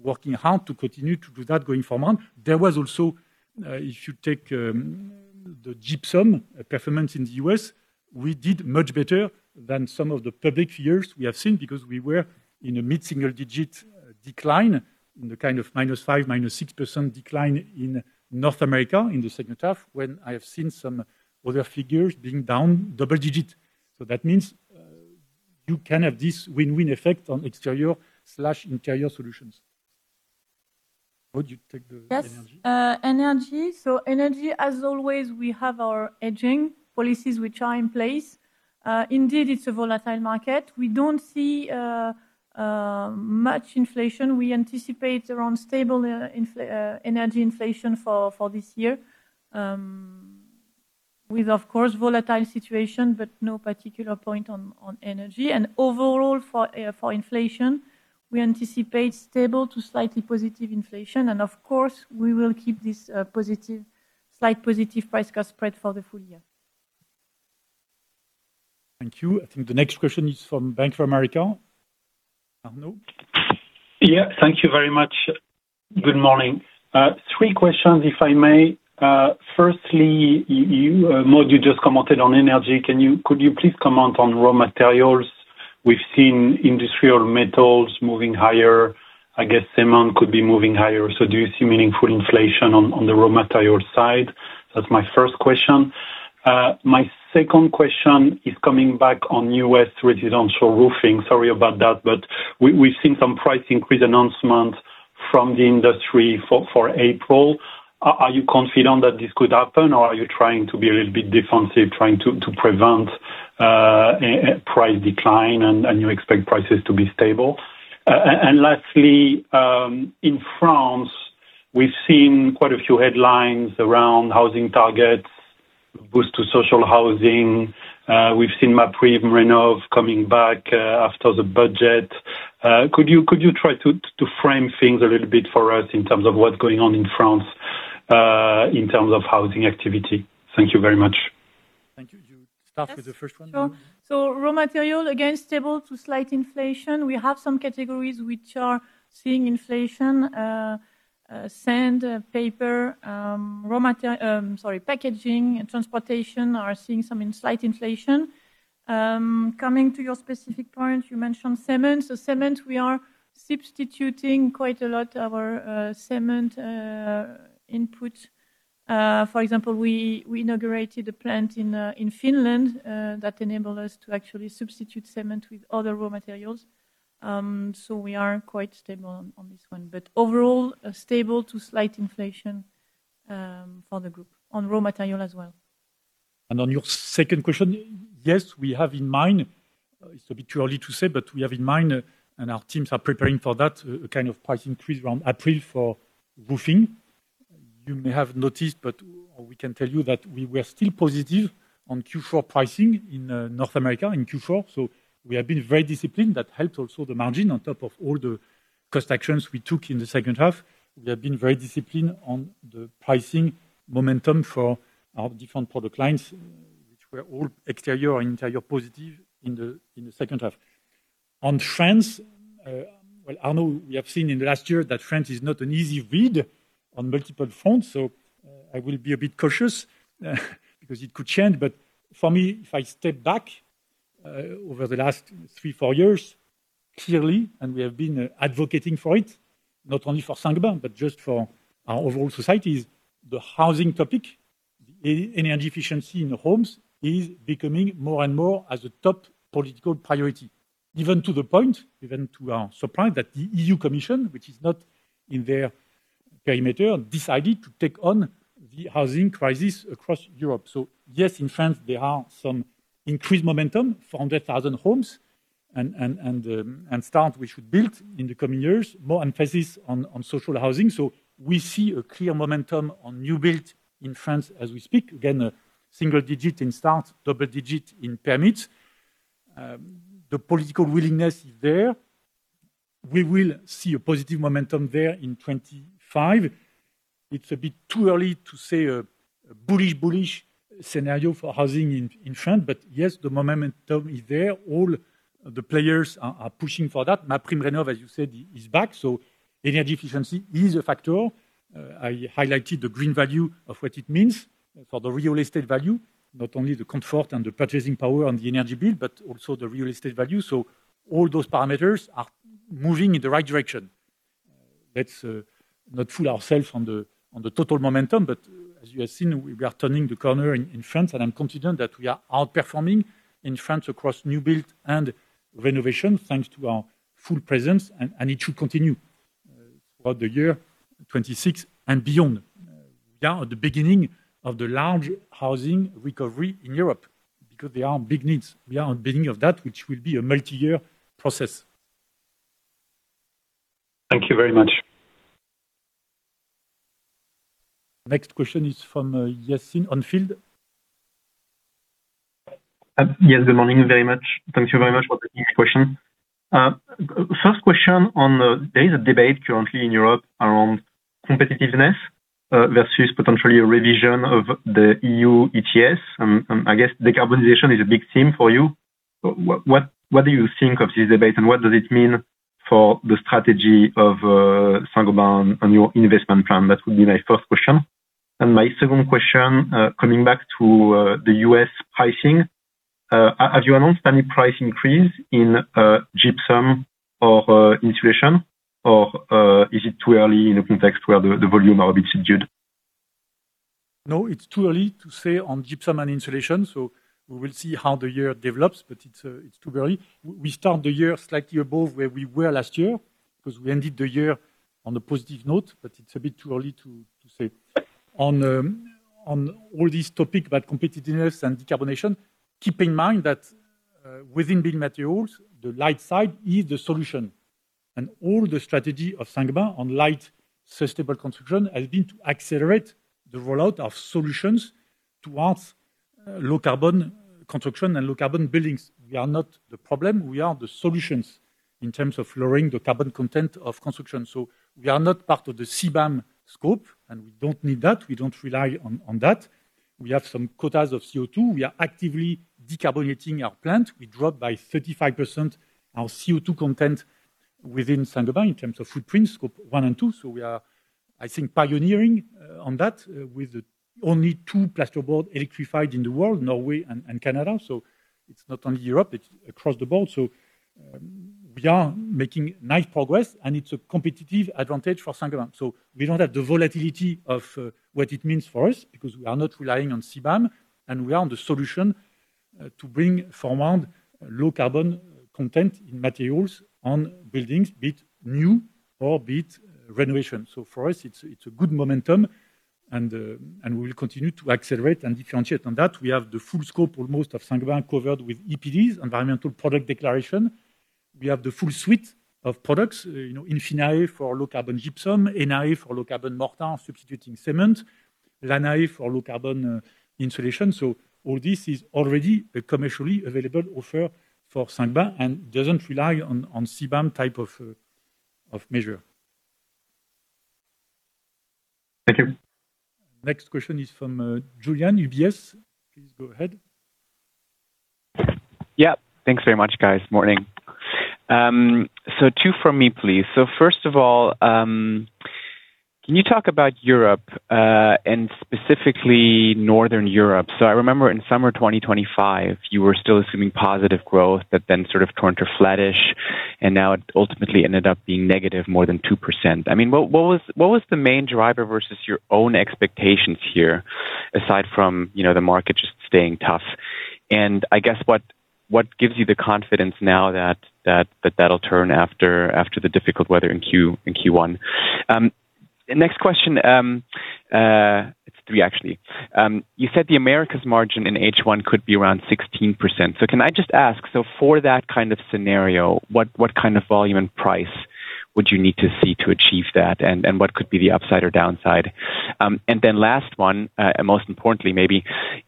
working hard to continue to do that going forward. There was also, if you take the gypsum performance in the U.S., we did much better than some of the public figures we have seen, because we were in a mid-single-digit decline, in the kind of -5%, -6% decline in North America in the second half, when I have seen some other figures being down double digit. That means, you can have this win-win effect on exterior/interior solutions. Maud, you take the energy? Yes, energy. Energy, as always, we have our hedging policies which are in place. Indeed, it's a volatile market. We don't see much inflation. We anticipate around stable energy inflation for this year, with, of course, volatile situation, but no particular point on energy. Overall, for inflation, we anticipate stable to slightly positive inflation, and of course, we will keep this positive, slight positive price-cost spread for the full year. Thank you. I think the next question is from Bank of America. Arnaud? Yeah, thank you very much. Good morning. Three questions, if I may. Firstly, Maud, you just commented on energy. Could you please comment on raw materials? We've seen industrial metals moving higher. I guess cement could be moving higher. Do you see meaningful inflation on the raw material side? That's my first question. My second question is coming back on U.S. residential roofing. Sorry about that, we've seen some price increase announcement from the industry for April. Are you confident that this could happen, or are you trying to be a little bit defensive, trying to prevent a price decline and you expect prices to be stable? Lastly, in France, we've seen quite a few headlines around housing targets, boost to social housing. We've seen MaPrimeRénov' coming back after the budget. Could you try to frame things a little bit for us in terms of what's going on in France in terms of housing activity? Thank you very much. Thank you. You start with the first one? Sure. Raw material, again, stable to slight inflation. We have some categories which are seeing inflation, sand, paper, packaging and transportation are seeing some in slight inflation. Coming to your specific point, you mentioned cement. Cement, we are substituting quite a lot of our cement input. For example, we inaugurated a plant in Finland that enabled us to actually substitute cement with other raw materials. We are quite stable on this one, but overall, a stable to slight inflation for the group on raw material as well. On your second question, yes, we have in mind, it's a bit too early to say, but we have in mind and our teams are preparing for that, a kind of price increase around April for roofing. You may have noticed, or we can tell you that we were still positive on Q4 pricing in North America in Q4, we have been very disciplined. That helped also the margin on top of all the cost actions we took in the second half. We have been very disciplined on the pricing momentum for our different product lines, which were all exterior and interior positive in the second half. On France, well, I know we have seen in the last year that France is not an easy read on multiple fronts. I will be a bit cautious because it could change. For me, if I step back, over the last three, four years, clearly, and we have been advocating for it, not only for Saint-Gobain, but just for our overall society, is the housing topic. Energy efficiency in the homes is becoming more and more as a top political priority, even to the point, even to our surprise, that the European Commission, which is not in their perimeter, decided to take on the housing crisis across Europe. Yes, in France, there are some increased momentum, 400,000 homes and start we should build in the coming years, more emphasis on social housing. We see a clear momentum on new build in France as we speak. Again, a single digit in start, double digit in permits. The political willingness is there. We will see a positive momentum there in 2025. It's a bit too early to say a bullish scenario for housing in France, yes, the momentum is there. All the players are pushing for that. MaPrimeRénov', as you said, is back, energy efficiency is a factor. I highlighted the green value of what it means for the real estate value, not only the comfort and the purchasing power and the energy bill, but also the real estate value. All those parameters are moving in the right direction. Let's not fool ourselves on the total momentum, as you have seen, we are turning the corner in France, I'm confident that we are outperforming in France across new build and renovation, thanks to our full presence, and it should continue throughout the year 2026 and beyond. We are at the beginning of the large housing recovery in Europe because there are big needs. We are on beginning of that, which will be a multi-year process. Thank you very much. Next question is from Yassine Touahri. Yes, good morning, very much. Thank you very much for the next question. First question on, there is a debate currently in Europe around competitiveness versus potentially a revision of the EU ETS. I guess decarbonization is a big theme for you. What do you think of this debate, and what does it mean for the strategy of Saint-Gobain on your investment plan? That would be my first question. My second question, coming back to the U.S. pricing, have you announced any price increase in gypsum or insulation, or is it too early in a context where the volume are a bit subdued? It's too early to say on gypsum and insulation. We will see how the year develops, but it's too early. We start the year slightly above where we were last year, because we ended the year on a positive note, it's a bit too early to say. On all these topic about competitiveness and decarbonization, keep in mind that within building materials, the light side is the solution, all the strategy of Saint-Gobain on light, sustainable construction has been to accelerate the rollout of solutions towards low carbon construction and low carbon buildings. We are not the problem, we are the solutions in terms of lowering the carbon content of construction. We are not part of the CBAM scope, we don't need that. We don't rely on that. We have some quotas of CO₂. We are actively decarbonating our plant. We dropped by 35% our CO₂ content within Saint-Gobain in terms of footprint, Scope 1 and 2. We are, I think, pioneering on that with only two plasterboard electrified in the world, Norway and Canada. It's not only Europe, it's across the board. We are making nice progress, and it's a competitive advantage for Saint-Gobain. We don't have the volatility of what it means for us, because we are not relying on CBAM, and we are the solution to bring forward low carbon content in materials on buildings, be it new or be it renovation. For us, it's a good momentum, and we will continue to accelerate and differentiate on that. We have the full scope, almost, of Saint-Gobain covered with EPDs, Environmental Product Declaration. We have the full suite of products, you know, Infinaé for low carbon gypsum, Énaé for low carbon mortar, substituting cement, Isover for low carbon insulation. All this is already a commercially available offer for Saint-Gobain and doesn't rely on CBAM type of measure. Thank you. Next question is from, Julian, UBS. Please go ahead. Yeah, thanks very much, guys. Morning. Two from me, please. First of all, can you talk about Europe, and specifically Northern Europe? I remember in summer 2025, you were still assuming positive growth, but then sort of turned to flattish, and now it ultimately ended up being negative, more than 2%. I mean, what was the main driver versus your own expectations here, aside from, you know, the market just staying tough? I guess what gives you the confidence now that that'll turn after the difficult weather in Q1? The next question, it's three, actually. You said the Americas margin in H1 could be around 16%. Can I just ask, so for that kind of scenario, what kind of volume and price would you need to see to achieve that? What could be the upside or downside? Then last one, most importantly, maybe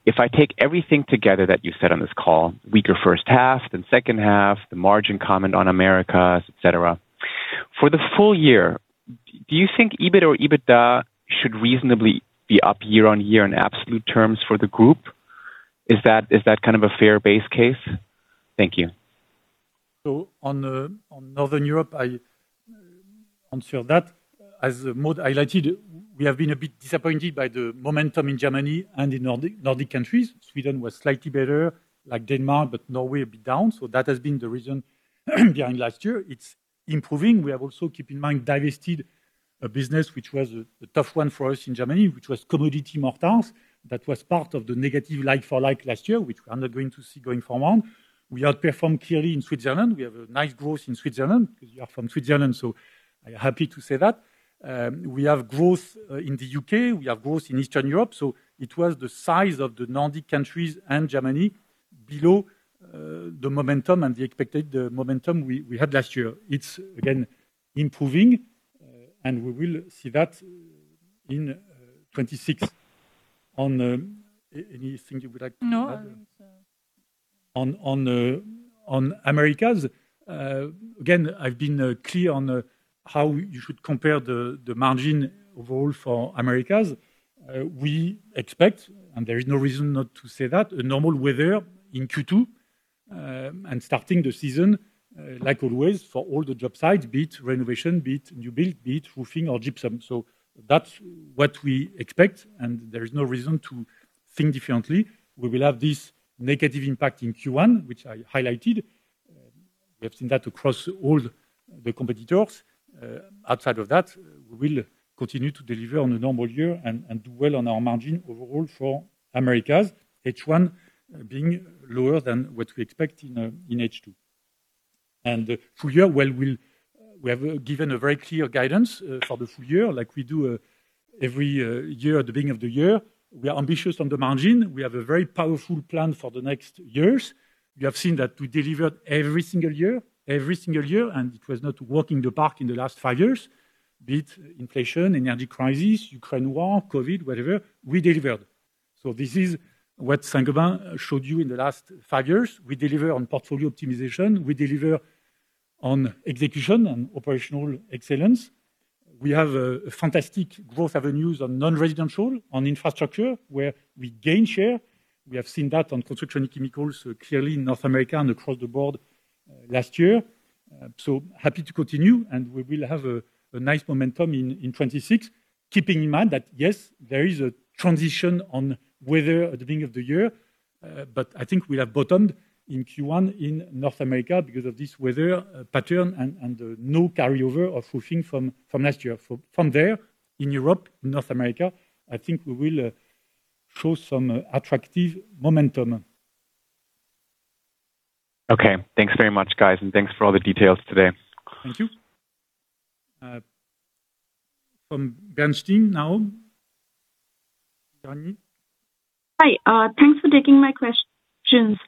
if I take everything together that you said on this call, weaker first half then second half, the margin comment on Americas, et cetera. For the full year, do you think EBIT or EBITDA should reasonably be up year-on-year in absolute terms for the group? Is that kind of a fair base case? Thank you. On Northern Europe, I answer that as Maud highlighted, we have been a bit disappointed by the momentum in Germany and in Nordic countries. Sweden was slightly better, like Denmark, but Norway a bit down. That has been the reason behind last year. It's improving. We have also, keep in mind, divested a business, which was a tough one for us in Germany, which was Commodity Mortars. That was part of the negative like-for-like last year, which we are not going to see going forward. We outperformed clearly in Switzerland. We have a nice growth in Switzerland, because you are from Switzerland, so I'm happy to say that. We have growth in the U.K., we have growth in Eastern Europe, so it was the size of the Nordic countries and Germany below the momentum and the expected momentum we had last year. It's again, improving, and we will see that in 2026. On, anything you would like to add? No, I think, On Americas. Again, I've been clear on how you should compare the margin overall for Americas. We expect, and there is no reason not to say that, a normal weather in Q2, and starting the season, like always, for all the job sites, be it renovation, be it new build, be it roofing or gypsum. That's what we expect, and there is no reason to think differently. We will have this negative impact in Q1, which I highlighted. We have seen that across all the competitors. Outside of that, we will continue to deliver on a normal year and do well on our margin overall for Americas, H1 being lower than what we expect in H2. Full year, well, we have given a very clear guidance for the full year, like we do every year at the beginning of the year. We are ambitious on the margin. We have a very powerful plan for the next years. You have seen that we delivered every single year, and it was not walking the park in the last five years, be it inflation, energy crisis, Ukraine war, COVID, whatever, we delivered. This is what Saint-Gobain showed you in the last five years. We deliver on portfolio optimization; we deliver on execution and operational excellence. We have fantastic growth avenues on non-residential, on infrastructure, where we gain share. We have seen that on construction chemicals, clearly in North America and across the board last year. Happy to continue, we will have a nice momentum in 2026. Keeping in mind that, yes, there is a transition on weather at the beginning of the year, I think we have bottomed in Q1 in North America because of this weather pattern and no carryover of roofing from last year. From there in Europe, in North America, I think we will show some attractive momentum. Okay. Thanks very much, guys, and thanks for all the details today. Thank you. From Bernstein now. Hi, thanks for taking my questions.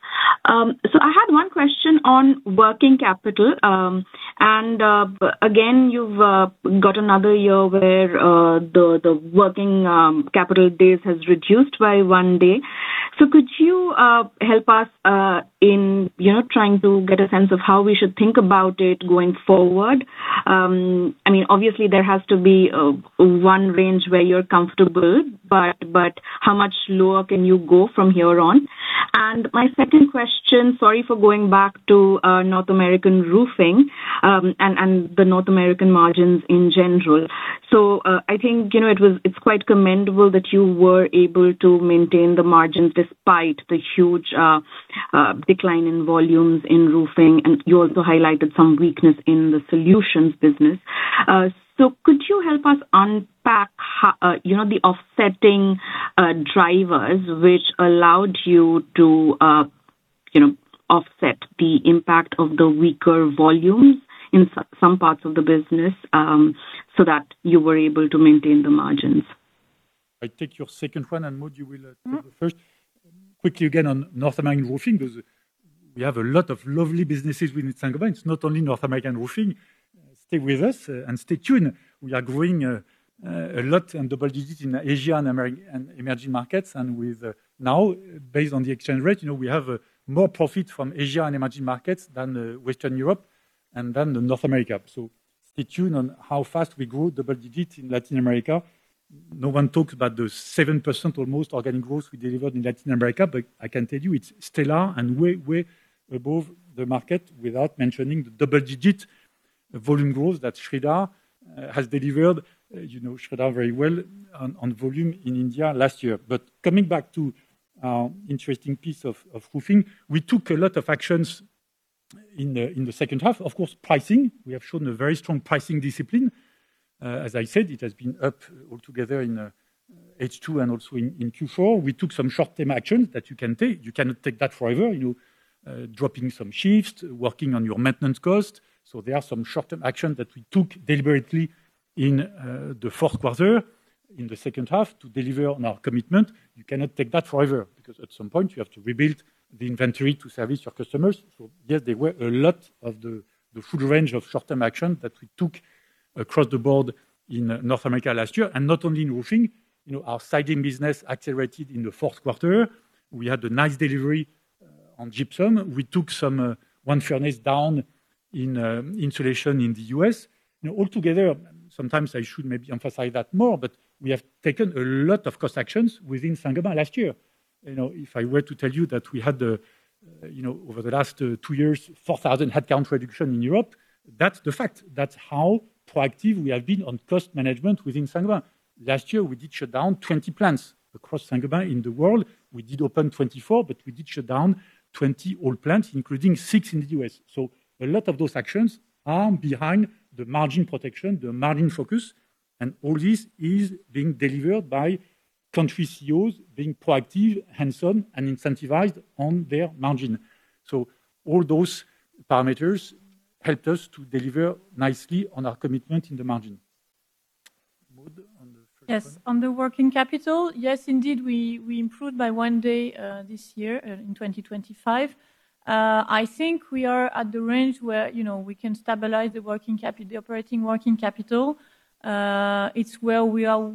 I had one question on working capital. Again, you've got another year where the working capital days has reduced by one day. Could you help us, you know, trying to get a sense of how we should think about it going forward? I mean, obviously, there has to be one range where you're comfortable, but how much lower can you go from here on? My second question, sorry for going back to North American Roofing, and the North American margins in general. I think, you know, it's quite commendable that you were able to maintain the margins despite the huge decline in volumes in roofing, and you also highlighted some weakness in the solutions business. Could you help us unpack how, you know, the offsetting drivers, which allowed you to, you know, offset the impact of the weaker volumes in some parts of the business, so that you were able to maintain the margins? I take your second one, and Maud, you will. Mm-hmm. The first. Quickly, again, on North American Roofing, because we have a lot of lovely businesses within Saint-Gobain. It's not only North American roofing. Stay with us and stay tuned. We are growing, a lot in double digits in Asia and emerging markets. With, now, based on the exchange rate, you know, we have more profit from Asia and emerging markets than Western Europe and than the North America. Stay tuned on how fast we grow double digits in Latin America. No one talks about the 7% almost organic growth we delivered in Latin America, but I can tell you it's stellar and way above the market, without mentioning the double-digit volume growth that Shraddha has delivered. You know Shraddha very well on volume in India last year. Coming back to interesting piece of roofing, we took a lot of actions in the second half. Pricing, we have shown a very strong pricing discipline. As I said, it has been up altogether in H2 and also in Q4. We took some short-term actions that you can take. You cannot take that forever. Dropping some shifts, working on your maintenance cost. There are some short-term action that we took deliberately in the fourth quarter, in the second half to deliver on our commitment. You cannot take that forever because at some point you have to rebuild the inventory to service your customers. Yes, there were a lot of the full range of short-term action that we took across the board in North America last year, and not only in roofing. You know, our siding business accelerated in the fourth quarter. We had a nice delivery on gypsum. We took some one furnace down in insulation in the U.S. You know, altogether, sometimes I should maybe emphasize that more, we have taken a lot of cost actions within Saint-Gobain last year. You know, if I were to tell you that we had the, you know, over the last two years, 4,000 headcount reduction in Europe, that's the fact. That's how proactive we have been on cost management within Saint-Gobain. Last year, we did shut down 20 plants across Saint-Gobain in the world. We did open 24, we did shut down 20 old plants, including six in the U.S. A lot of those actions are behind the margin protection, the margin focus, and all this is being delivered by country CEOs being proactive, hands-on, and incentivized on their margin. All those parameters helped us to deliver nicely on our commitment in the margin. Maud, on the first one? Yes, on the working capital. Yes, indeed, we improved by one day this year in 2025. I think we are at the range where, you know, we can stabilize the working capital, the operating working capital. It's where we are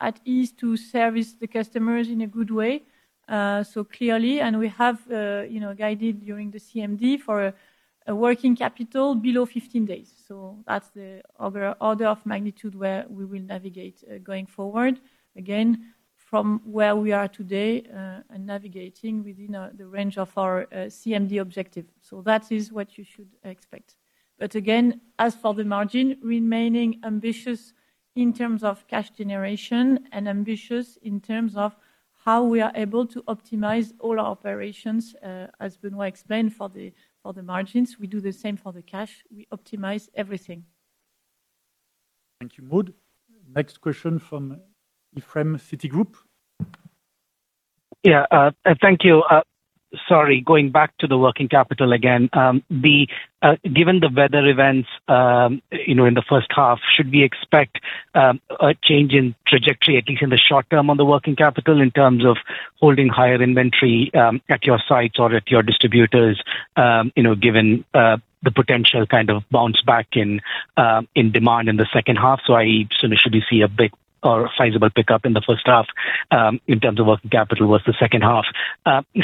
at ease to service the customers in a good way. Clearly, and we have, you know, guided during the CMD for a working capital below 15 days. That's the other order of magnitude where we will navigate going forward. Again, from where we are today, and navigating within the range of our CMD objective. That is what you should expect. As for the margin, remaining ambitious in terms of cash generation and ambitious in terms of how we are able to optimize all our operations, as Benoit explained, for the margins, we do the same for the cash. We optimize everything. Thank you, Maud. Next question from Ephrem, Citigroup. Yeah, thank you. Sorry, going back to the working capital again. The given the weather events, you know, in the first half, should we expect a change in trajectory, at least in the short term, on the working capital, in terms of holding higher inventory, at your sites or at your distributors, you know, given the potential kind of bounce back in demand in the second half? Should we see a big or sizable pickup in the first half, in terms of working capital versus the second half.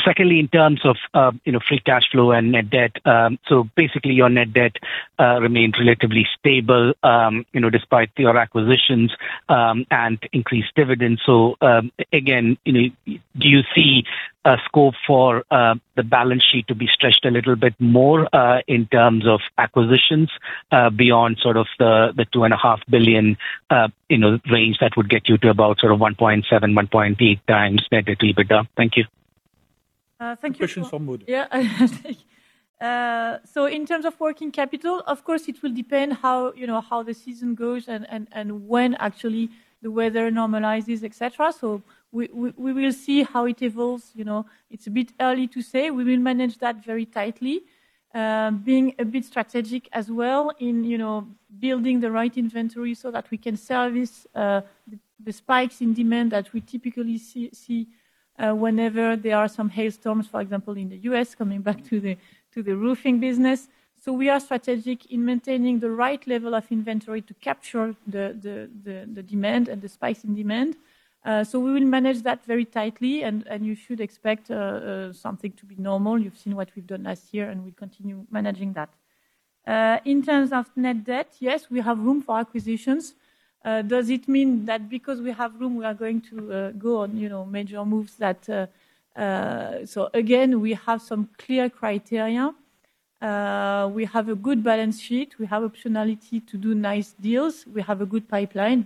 Secondly, in terms of, you know, free cash flow and net debt, basically, your net debt remains relatively stable, you know, despite your acquisitions, and increased dividends. Again, you know, do you see a scope for the balance sheet to be stretched a little bit more, in terms of acquisitions, beyond sort of the two and a half billion, you know, range that would get you to about sort of 1.7x-1.8x net debt to EBITDA? Thank you. Thank you. Question for Maud. Yeah. In terms of working capital, of course, it will depend how, you know, how the season goes and when actually the weather normalizes, et cetera. We will see how it evolves, you know. It's a bit early to say. We will manage that very tightly, being a bit strategic as well in, you know, building the right inventory so that we can service the spikes in demand that we typically see whenever there are some hailstorms, for example, in the U.S., coming back to the roofing business. We are strategic in maintaining the right level of inventory to capture the demand and the spikes in demand. We will manage that very tightly, and you should expect something to be normal. You've seen what we've done last year. We continue managing that. In terms of net debt, yes, we have room for acquisitions. Does it mean that because we have room, we are going to go on, you know, major moves that... Again, we have some clear criteria. We have a good balance sheet. We have optionality to do nice deals. We have a good pipeline,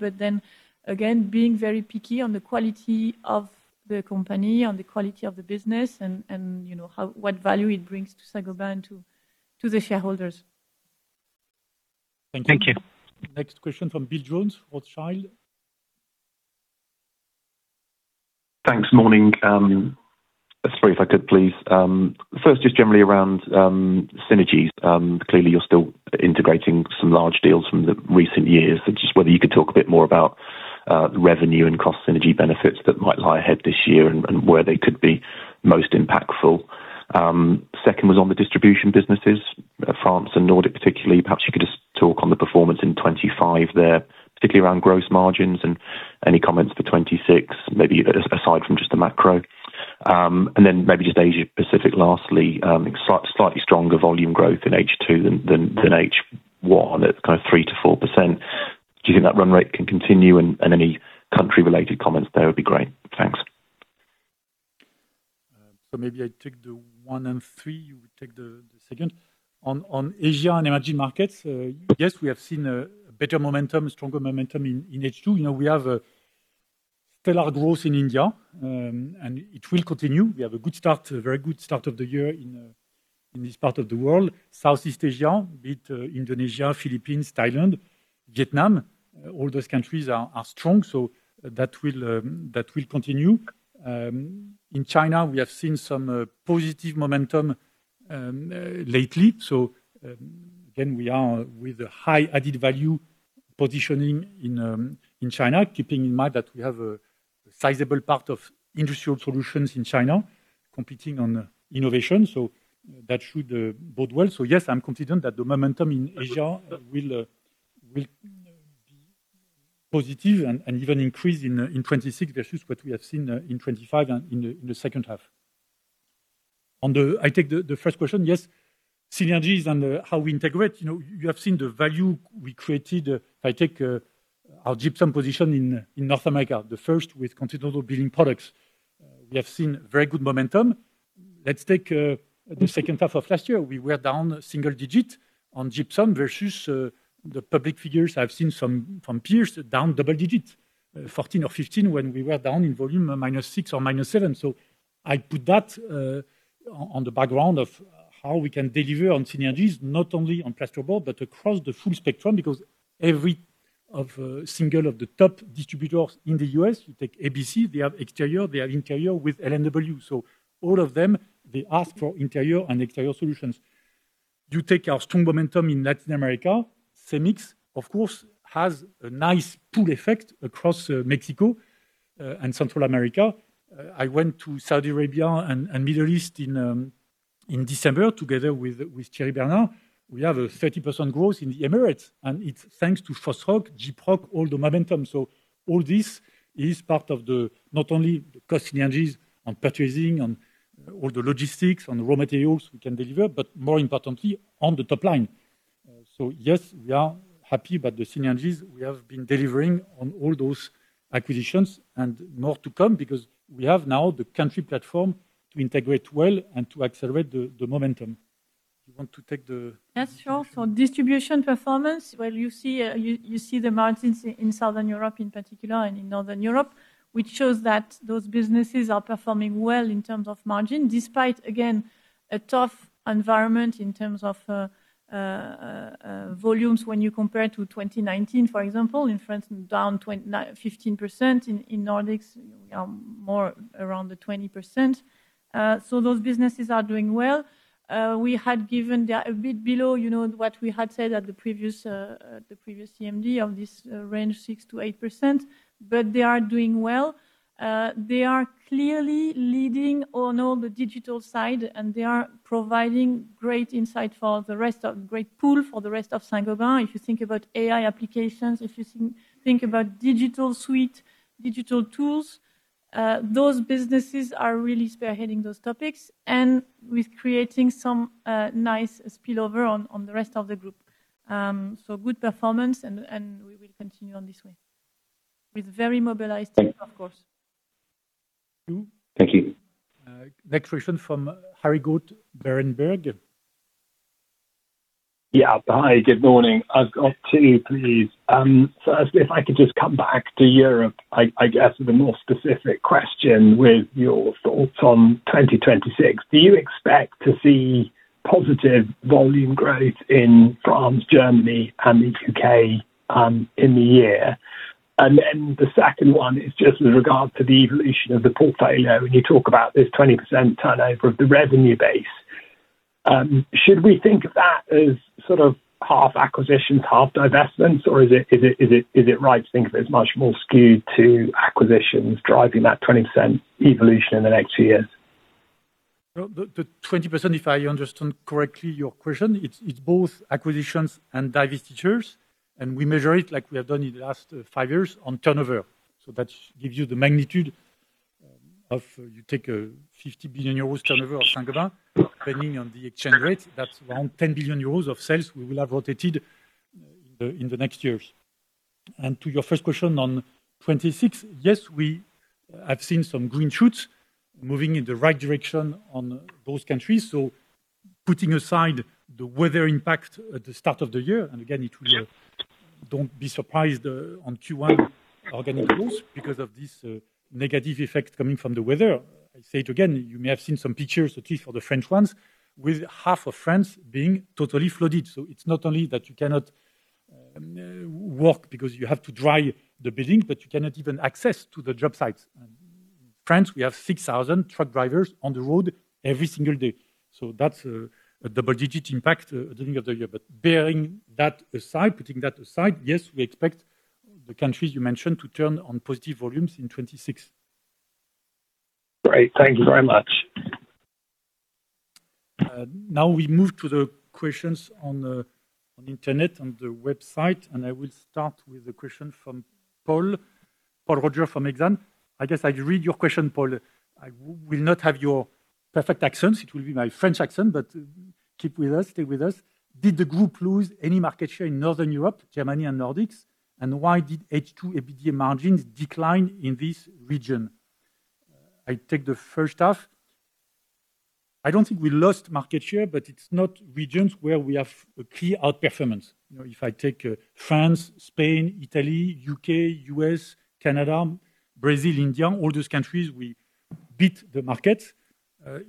again, being very picky on the quality of the company, on the quality of the business and, you know, how, what value it brings to Saint-Gobain to the shareholders. Thank you. Next question from Will Jones, Rothschild. Thanks, morning. Three, if I could, please. First, just generally around synergies. Clearly, you're still integrating some large deals from the recent years. Just whether you could talk a bit more about the revenue and cost synergy benefits that might lie ahead this year and where they could be most impactful. Second was on the distribution businesses, France and Nordic, particularly. Perhaps you could just talk on the performance in 2025 there, particularly around gross margins and any comments for 2026, maybe aside from just the macro. Then maybe just Asia-Pacific, lastly, slightly stronger volume growth in H2 than H1. It's kind of 3%-4%. Do you think that run rate can continue? Any country-related comments there would be great. Thanks. Maybe I take the one and three, you would take the second. On Asia and emerging markets, yes, we have seen a better momentum, stronger momentum in H2. You know, we have a stellar growth in India, and it will continue. We have a good start, a very good start of the year in this part of the world. Southeast Asia, be it Indonesia, Philippines, Thailand, Vietnam, all those countries are strong, so that will continue. In China, we have seen some positive momentum lately. Again, we are with a high added value positioning in China, keeping in mind that we have a sizable part of industrial solutions in China competing on innovation, so that should bode well. Yes, I'm confident that the momentum in Asia will be positive and even increase in 2026 versus what we have seen in 2025 and in the second half. I take the first question. Yes, synergies and how we integrate, you know, you have seen the value we created. If I take our gypsum position in North America, the first with Continental Building Products, we have seen very good momentum. Let's take the second half of last year, we were down single digit on gypsum versus the public figures. I've seen some from peers down double digits, 14% or 15%, when we were down in volume, -6% or -7%. I put that on the background of how we can deliver on synergies, not only on plasterboard, but across the full spectrum, because every single of the top distributors in the U.S., you take ABC, they have exterior, they have interior with L&W. All of them, they ask for interior and exterior solutions. You take our strong momentum in Latin America. Cemix, of course, has a nice pull effect across Mexico and Central America. I went to Saudi Arabia and Middle East in December, together with Thierry Bernard. We have a 30% growth in the Emirates, and it's thanks to FOSROC, Gyproc, all the momentum. All this is part of the not only the cost synergies on purchasing and all the logistics, on the raw materials we can deliver, but more importantly, on the top line. Yes, we are happy about the synergies we have been delivering on all those acquisitions, and more to come because we have now the country platform to integrate well and to accelerate the momentum. Yes, sure. For distribution performance, well, you see the margins in Southern Europe in particular, and in Northern Europe, which shows that those businesses are performing well in terms of margin, despite, again, a tough environment in terms of volumes when you compare to 2019, for example, in France, down 15%. In Nordics, we are more around the 20%. Those businesses are doing well. They are a bit below, you know, what we had said at the previous CMD of this range, 6%-8%, they are doing well. They are clearly leading on all the digital side, they are providing great insight, great pool for the rest of Saint-Gobain. If you think about AI applications, if you think about digital suite, digital tools, those businesses are really spearheading those topics and with creating some nice spillover on the rest of the group. Good performance and we will continue on this way, with very mobilized team, of course. Thank you. Next question from Harry Goad, Berenberg. Yeah. Hi, good morning. I've got two, please. If I could just come back to Europe, I guess, with a more specific question with your thoughts on 2026. Do you expect to see positive volume growth in France, Germany, and the U.K. in the year? The second one is just with regards to the evolution of the portfolio. When you talk about this 20% turnover of the revenue base, should we think of that as sort of half acquisitions, half divestments, or is it right to think of it as much more skewed to acquisitions driving that 20% evolution in the next years? The 20%, if I understand correctly, your question, it's both acquisitions and divestitures, and we measure it like we have done in the last five years on turnover. That gives you the magnitude of you take a 50 billion euros turnover of Saint-Gobain, depending on the exchange rate, that's around 10 billion euros of sales we will have rotated in the next years. To your first question on 2026, yes, we have seen some green shoots moving in the right direction on those countries. Putting aside the weather impact at the start of the year, and again, it will, don't be surprised on Q1 organic growth because of this negative effect coming from the weather. I say it again, you may have seen some pictures, at least for the French ones, with half of France being totally flooded. It's not only that you cannot work because you have to dry the building, but you cannot even access to the job sites. France, we have 6,000 truck drivers on the road every single day, so that's a double-digit impact at the beginning of the year. Bearing that aside, putting that aside, yes, we expect the countries you mentioned to turn on positive volumes in 2026. Great. Thank you very much. Now we move to the questions on the, on the internet, on the website. I will start with a question from Paul Roger from Exane. I guess I'd read your question, Paul. I will not have your perfect accent, it will be my French accent, but keep with us, stay with us. Did the group lose any market share in Northern Europe, Germany, and Nordics? Why did H2 EBITDA margins decline in this region? I take the first half. I don't think we lost market share, but it's not regions where we have a clear outperformance. You know, if I take France, Spain, Italy, U.K., U.S., Canada, Brazil, India, all those countries, we beat the market.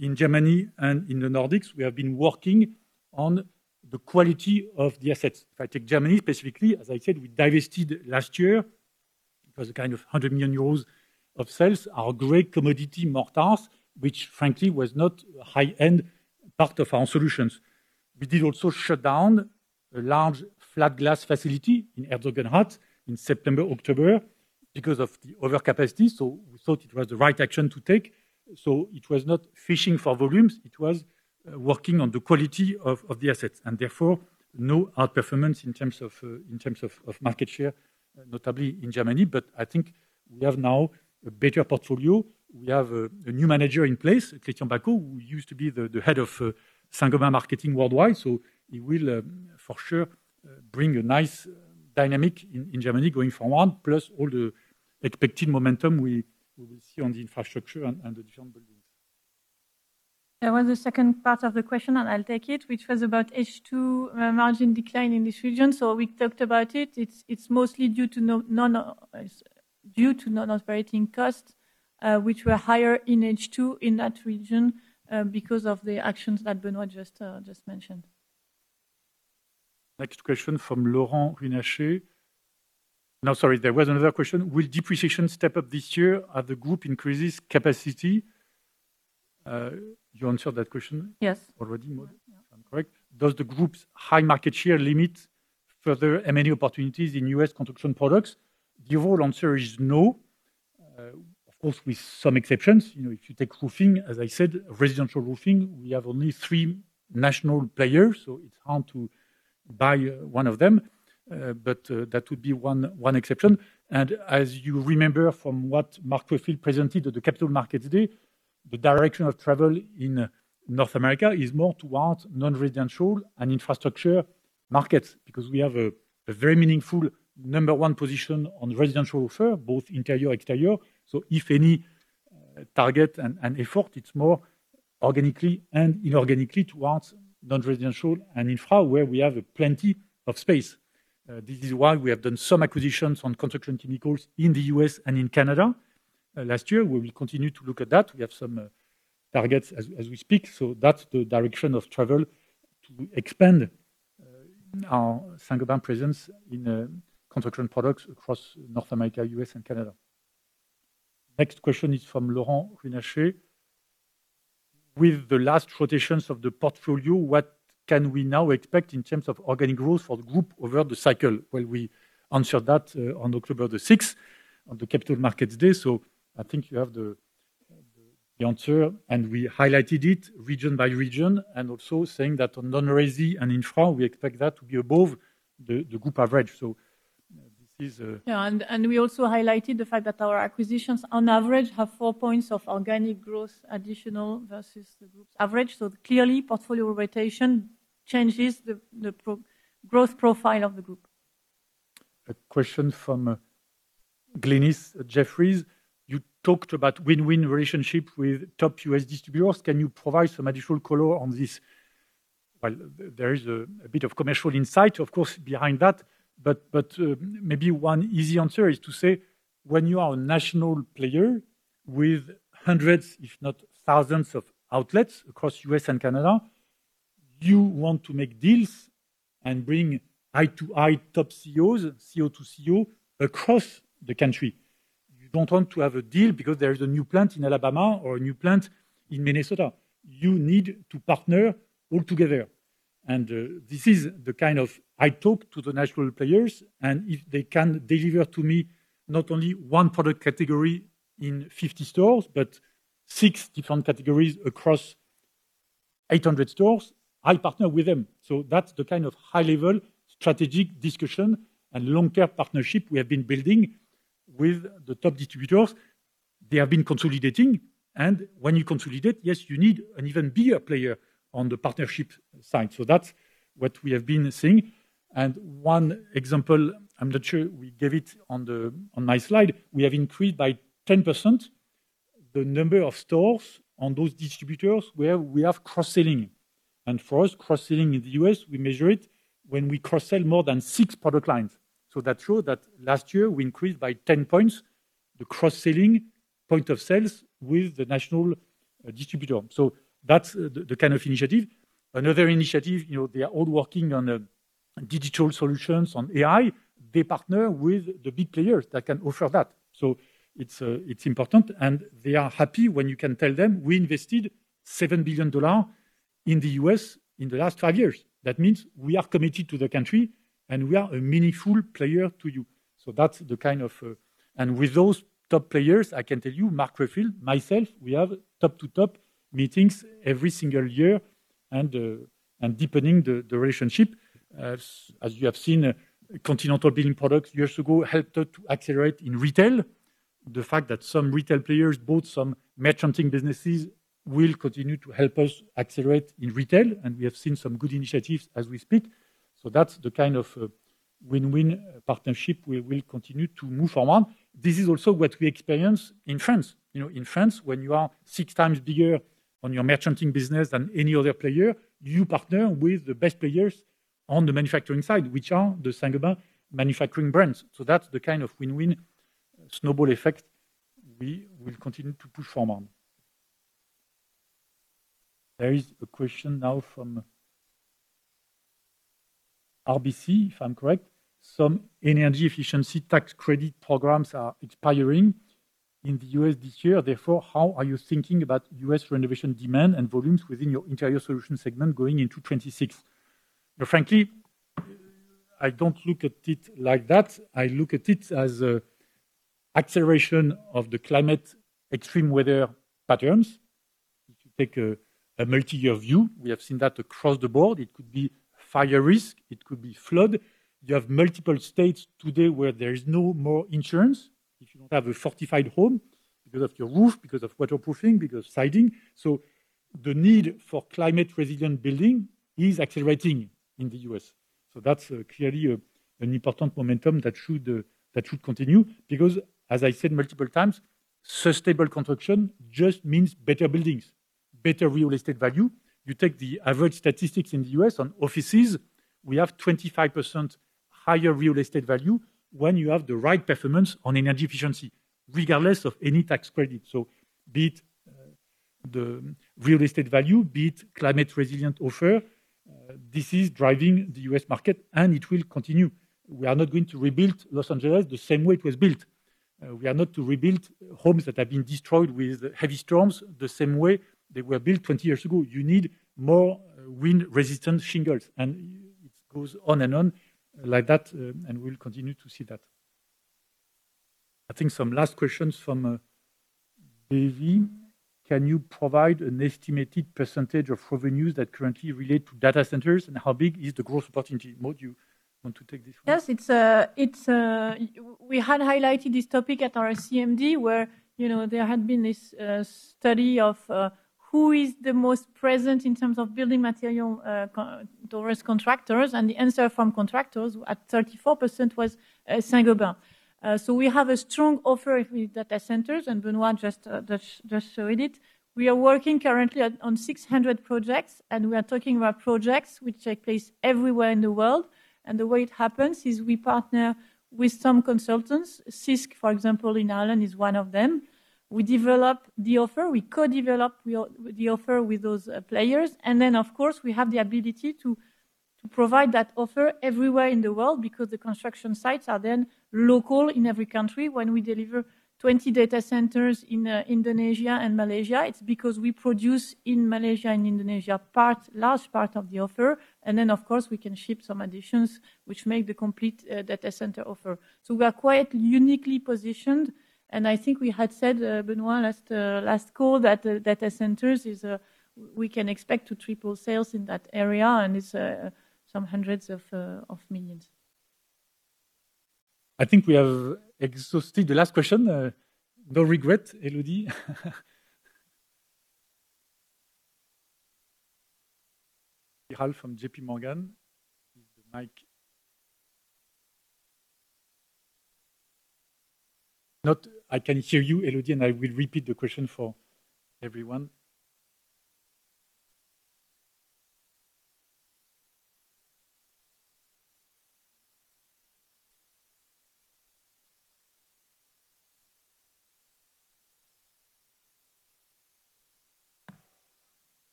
In Germany and in the Nordics, we have been working on the quality of the assets. If I take Germany specifically, as I said, we divested last year. It was a kind of 100 million euros of sales, our great Commodity Mortars, which frankly was not high-end part of our solutions. We did also shut down a large flat glass facility in Torgau in September, October, because of the overcapacity. We thought it was the right action to take. It was not fishing for volumes, working on the quality of the assets, therefore, no outperformance in terms of market share, notably in Germany. I think we have now a better portfolio. We have a new manager in place, Christian Bako, who used to be the head of Saint-Gobain marketing worldwide. He will for sure bring a nice dynamic in Germany going forward, plus all the expected momentum we will see on the infrastructure and the different buildings. There was a second part of the question, and I'll take it, which was about H2, margin decline in this region. We talked about it. It's mostly due to non-operating costs, which were higher in H2 in that region, because of the actions that Benoit just mentioned. Next question from Laurent Rousseau. No, sorry, there was another question: Will depreciation step up this year as the group increases capacity? You answered that question. Yes. Already, Maud, if I'm correct. Does the group's high market share limit further M&A opportunities in U.S. construction products? The overall answer is no. Of course, with some exceptions. You know, if you take roofing, as I said, residential roofing, we have only three national players, so it's hard to buy one of them. That would be one exception. As you remember from what Marc Raffaelli presented at the Capital Markets Day, the direction of travel in North America is more towards non-residential and infrastructure markets, because we have a very meaningful number one position on residential roofing, both interior and exterior. If any target and effort, it's more organically and inorganically towards non-residential and infra, where we have plenty of space. This is why we have done some acquisitions on construction chemicals in the U.S. and in Canada last year. We will continue to look at that. We have some targets as we speak, so that's the direction of travel to expand our Saint-Gobain presence in construction products across North America, U.S. and Canada. Next question is from Laurent Rousseau: With the last rotations of the portfolio, what can we now expect in terms of organic growth for the group over the cycle? Well, we answered that on October 6th, on the Capital Markets Day, so I think you have the answer, and we highlighted it region by region, and also saying that on non-resi and infra, we expect that to be above the group average. This is. We also highlighted the fact that our acquisitions, on average, have four points of organic growth additional versus the group's average. Clearly, portfolio rotation changes the growth profile of the group. A question from Glynis at Jefferies: You talked about win-win relationship with top U.S. distributors. Can you provide some additional color on this? Well, there is a bit of commercial insight, of course, behind that, but maybe 1 easy answer is to say, when you are a national player with hundreds, if not thousands of outlets across U.S. and Canada, you want to make deals and bring eye-to-eye top CEOs, CEO to CEO, across the country. You don't want to have a deal because there is a new plant in Alabama or a new plant in Minnesota. You need to partner all together. This is the kind of I talk to the national players, and if they can deliver to me not only one product category in 50 stores, but 6 different categories across 800 stores, I partner with them. That's the kind of high-level strategic discussion and long-term partnership we have been building with the top distributors. They have been consolidating, when you consolidate, yes, you need an even bigger player on the partnership side. That's what we have been seeing. One example, I'm not sure we gave it on my slide, we have increased by 10% the number of stores on those distributors where we have cross-selling. For us, cross-selling in the U.S., we measure it when we cross-sell more than six product lines. That show that last year we increased by 10 points the cross-selling point of sales with the national distributor. That's the kind of initiative. Another initiative, you know, they are all working on digital solutions on AI. They partner with the big players that can offer that. It's important, and they are happy when you can tell them we invested $7 billion in the U.S. in the last five years. That means we are committed to the country, and we are a meaningful player to you. That's the kind of... With those top players, I can tell you, Marc Raffaelli, myself, we have top-to-top meetings every single year and deepening the relationship. As you have seen, Continental Building Products years ago helped to accelerate in retail. The fact that some retail players, both some merchanting businesses, will continue to help us accelerate in retail, and we have seen some good initiatives as we speak. That's the kind of a win-win partnership we will continue to move forward. This is also what we experience in France. You know, in France, when you are 6x bigger on your merchanting business than any other player, you partner with the best players on the manufacturing side, which are the Saint-Gobain manufacturing brands. That's the kind of win-win snowball effect we will continue to push forward. There is a question now from RBC, if I'm correct. Some energy efficiency tax credit programs are expiring in the U.S. this year. How are you thinking about U.S. renovation demand and volumes within your interior solutions segment going into 2026? I don't look at it like that. I look at it as a acceleration of the climate, extreme weather patterns. If you take a multi-year view, we have seen that across the board. It could be fire risk, it could be flood. You have multiple states today where there is no more insurance if you don't have a fortified home because of your roof, because of waterproofing, because of siding. The need for climate-resilient building is accelerating in the U.S. That's clearly an important momentum that should continue, because as I said multiple times, sustainable construction just means better buildings, better real estate value. You take the average statistics in the U.S. on offices, we have 25% higher real estate value when you have the right performance on energy efficiency, regardless of any tax credit. Be it the real estate value, be it climate-resilient offer, this is driving the U.S. market, and it will continue. We are not going to rebuild Los Angeles the same way it was built. We are not to rebuild homes that have been destroyed with heavy storms the same way they were built 20 years ago. You need more, wind-resistant shingles, and it goes on and on like that, and we'll continue to see that. I think some last questions from Daisy: Can you provide an estimated percentage of revenues that currently relate to data centers, and how big is the growth opportunity? Maud, you want to take this one? Yes, it's. We had highlighted this topic at our CMD, where, you know, there had been this study of who is the most present in terms of building material contractors, and the answer from contractors at 34% was Saint-Gobain. We have a strong offer with data centers, and Benoit just showed it. We are working currently on 600 projects, we are talking about projects which take place everywhere in the world. The way it happens is we partner with some consultants. CISC, for example, in Ireland, is one of them. We develop the offer, we co-develop the offer with those players, of course, we have the ability to provide that offer everywhere in the world because the construction sites are then local in every country. When we deliver 20 data centers in Indonesia and Malaysia, it's because we produce in Malaysia and Indonesia, large part of the offer, and then, of course, we can ship some additions, which make the complete data center offer. We are quite uniquely positioned, and I think we had said Benoit, last call, that data centers is we can expect to triple sales in that area, and it's some hundreds of millions. I think we have exhausted the last question. No regret, Elodie Rall from JPMorgan? The mic. I can hear you, Elodie, and I will repeat the question for everyone.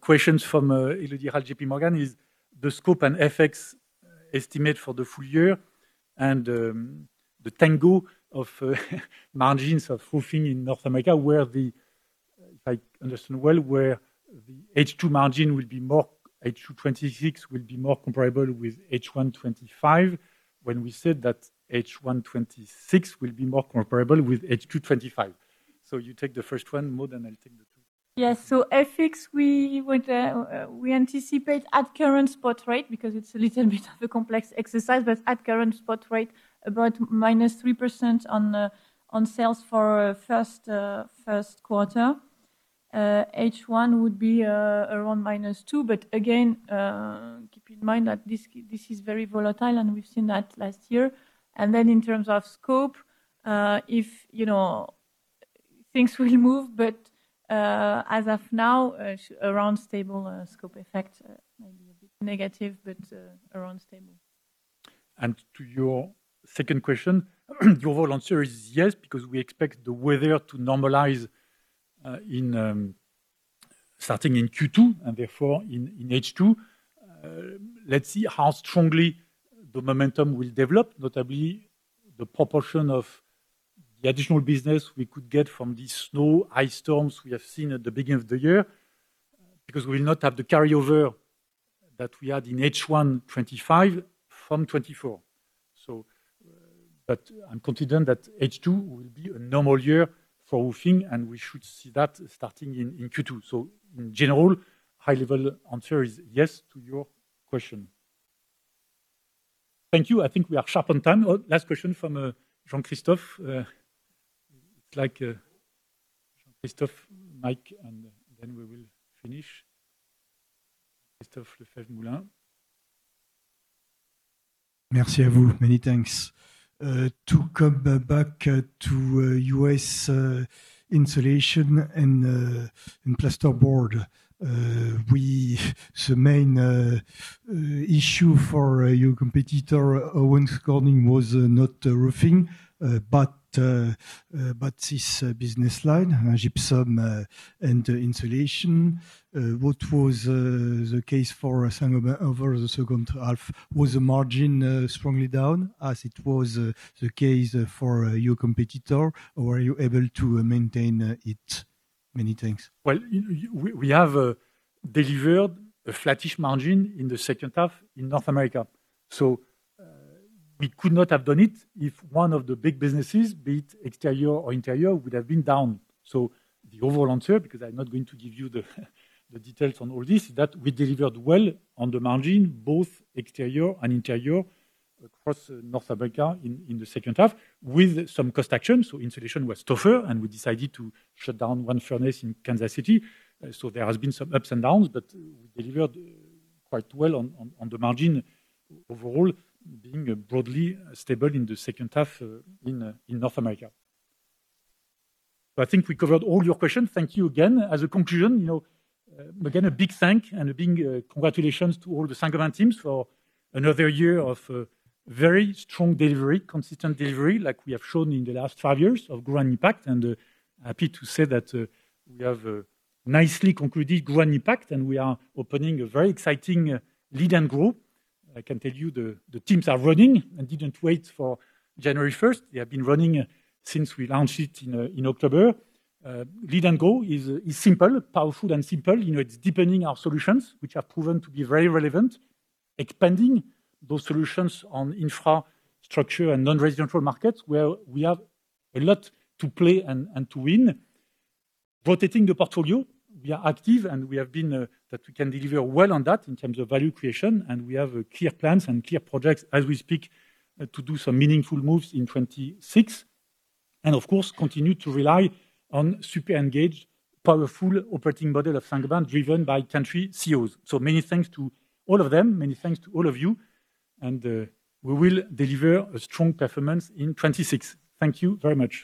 Questions from Elodie Rall, JPMorgan, is the scope and FX estimate for the full year and the tango of, margins of roofing in North America, where the, if I understand well, where the H2 margin will be more, H2 2026 will be more comparable with H1 2025, when we said that H1 2026 will be more comparable with H2 2025. You take the first one, Maud, and I'll take the two. Yes. FX, we anticipate at current spot rate, because it's a little bit of a complex exercise, but at current spot rate, about -3% on sales for first quarter. H1 would be around -2%, but again, keep in mind that this is very volatile, and we've seen that last year. In terms of scope, if, you know, things will move, but as of now, around stable scope effect, maybe a bit negative, but around stable. To your second question, the overall answer is yes, because we expect the weather to normalize in starting in Q2, and therefore in H2. Let's see how strongly the momentum will develop, notably the proportion of the additional business we could get from the snow, ice storms we have seen at the beginning of the year, because we will not have the carryover that we had in H1 2025 from 2024. But I'm confident that H2 will be a normal year for roofing, and we should see that starting in Q2. So in general, high-level answer is yes to your question. Thank you. I think we are sharp on time. Oh, last question from Jean-Christophe. It's like Christophe, mic, and then we will finish. Christophe Lefèvre-Moulenq. Merci beaucoup. Many thanks. To come back to U.S. insulation and plasterboard, the main issue for your competitor, Owens Corning, was not roofing, but this business line, gypsum, and insulation. What was the case for Saint-Gobain over the second half? Was the margin strongly down as it was the case for your competitor, or were you able to maintain it? Well, we have delivered a flattish margin in the second half in North America. We could not have done it if one of the big businesses, be it exterior or interior, would have been down. The overall answer, because I'm not going to give you the details on all this, is that we delivered well on the margin, both exterior and interior, across North America in the second half, with some cost actions. Insulation was tougher, and we decided to shut down one furnace in Kansas City. There has been some ups and downs, but we delivered quite well on the margin, overall, being broadly stable in the second half in North America. I think we covered all your questions. Thank you again. As a conclusion, you know, again, a big thank and a big congratulations to all the Saint-Gobain teams for another year of very strong delivery, consistent delivery, like we have shown in the last five years of Grow & Impact. Happy to say that we have nicely concluded Grow & Impact, and we are opening a very exciting Lead & Grow. I can tell you the teams are running and didn't wait for January 1st. They have been running since we launched it in October. Lead & Grow is simple, powerful and simple. You know, it's deepening our solutions, which are proven to be very relevant, expanding those solutions on infrastructure and non-residential markets, where we have a lot to play and to win. Rotating the portfolio, we are active, and we have been, that we can deliver well on that in terms of value creation, and we have clear plans and clear projects as we speak, to do some meaningful moves in 2026. Of course, continue to rely on super engaged, powerful operating model of Saint-Gobain, driven by country CEOs. Many thanks to all of them. Many thanks to all of you, and we will deliver a strong performance in 2026. Thank you very much.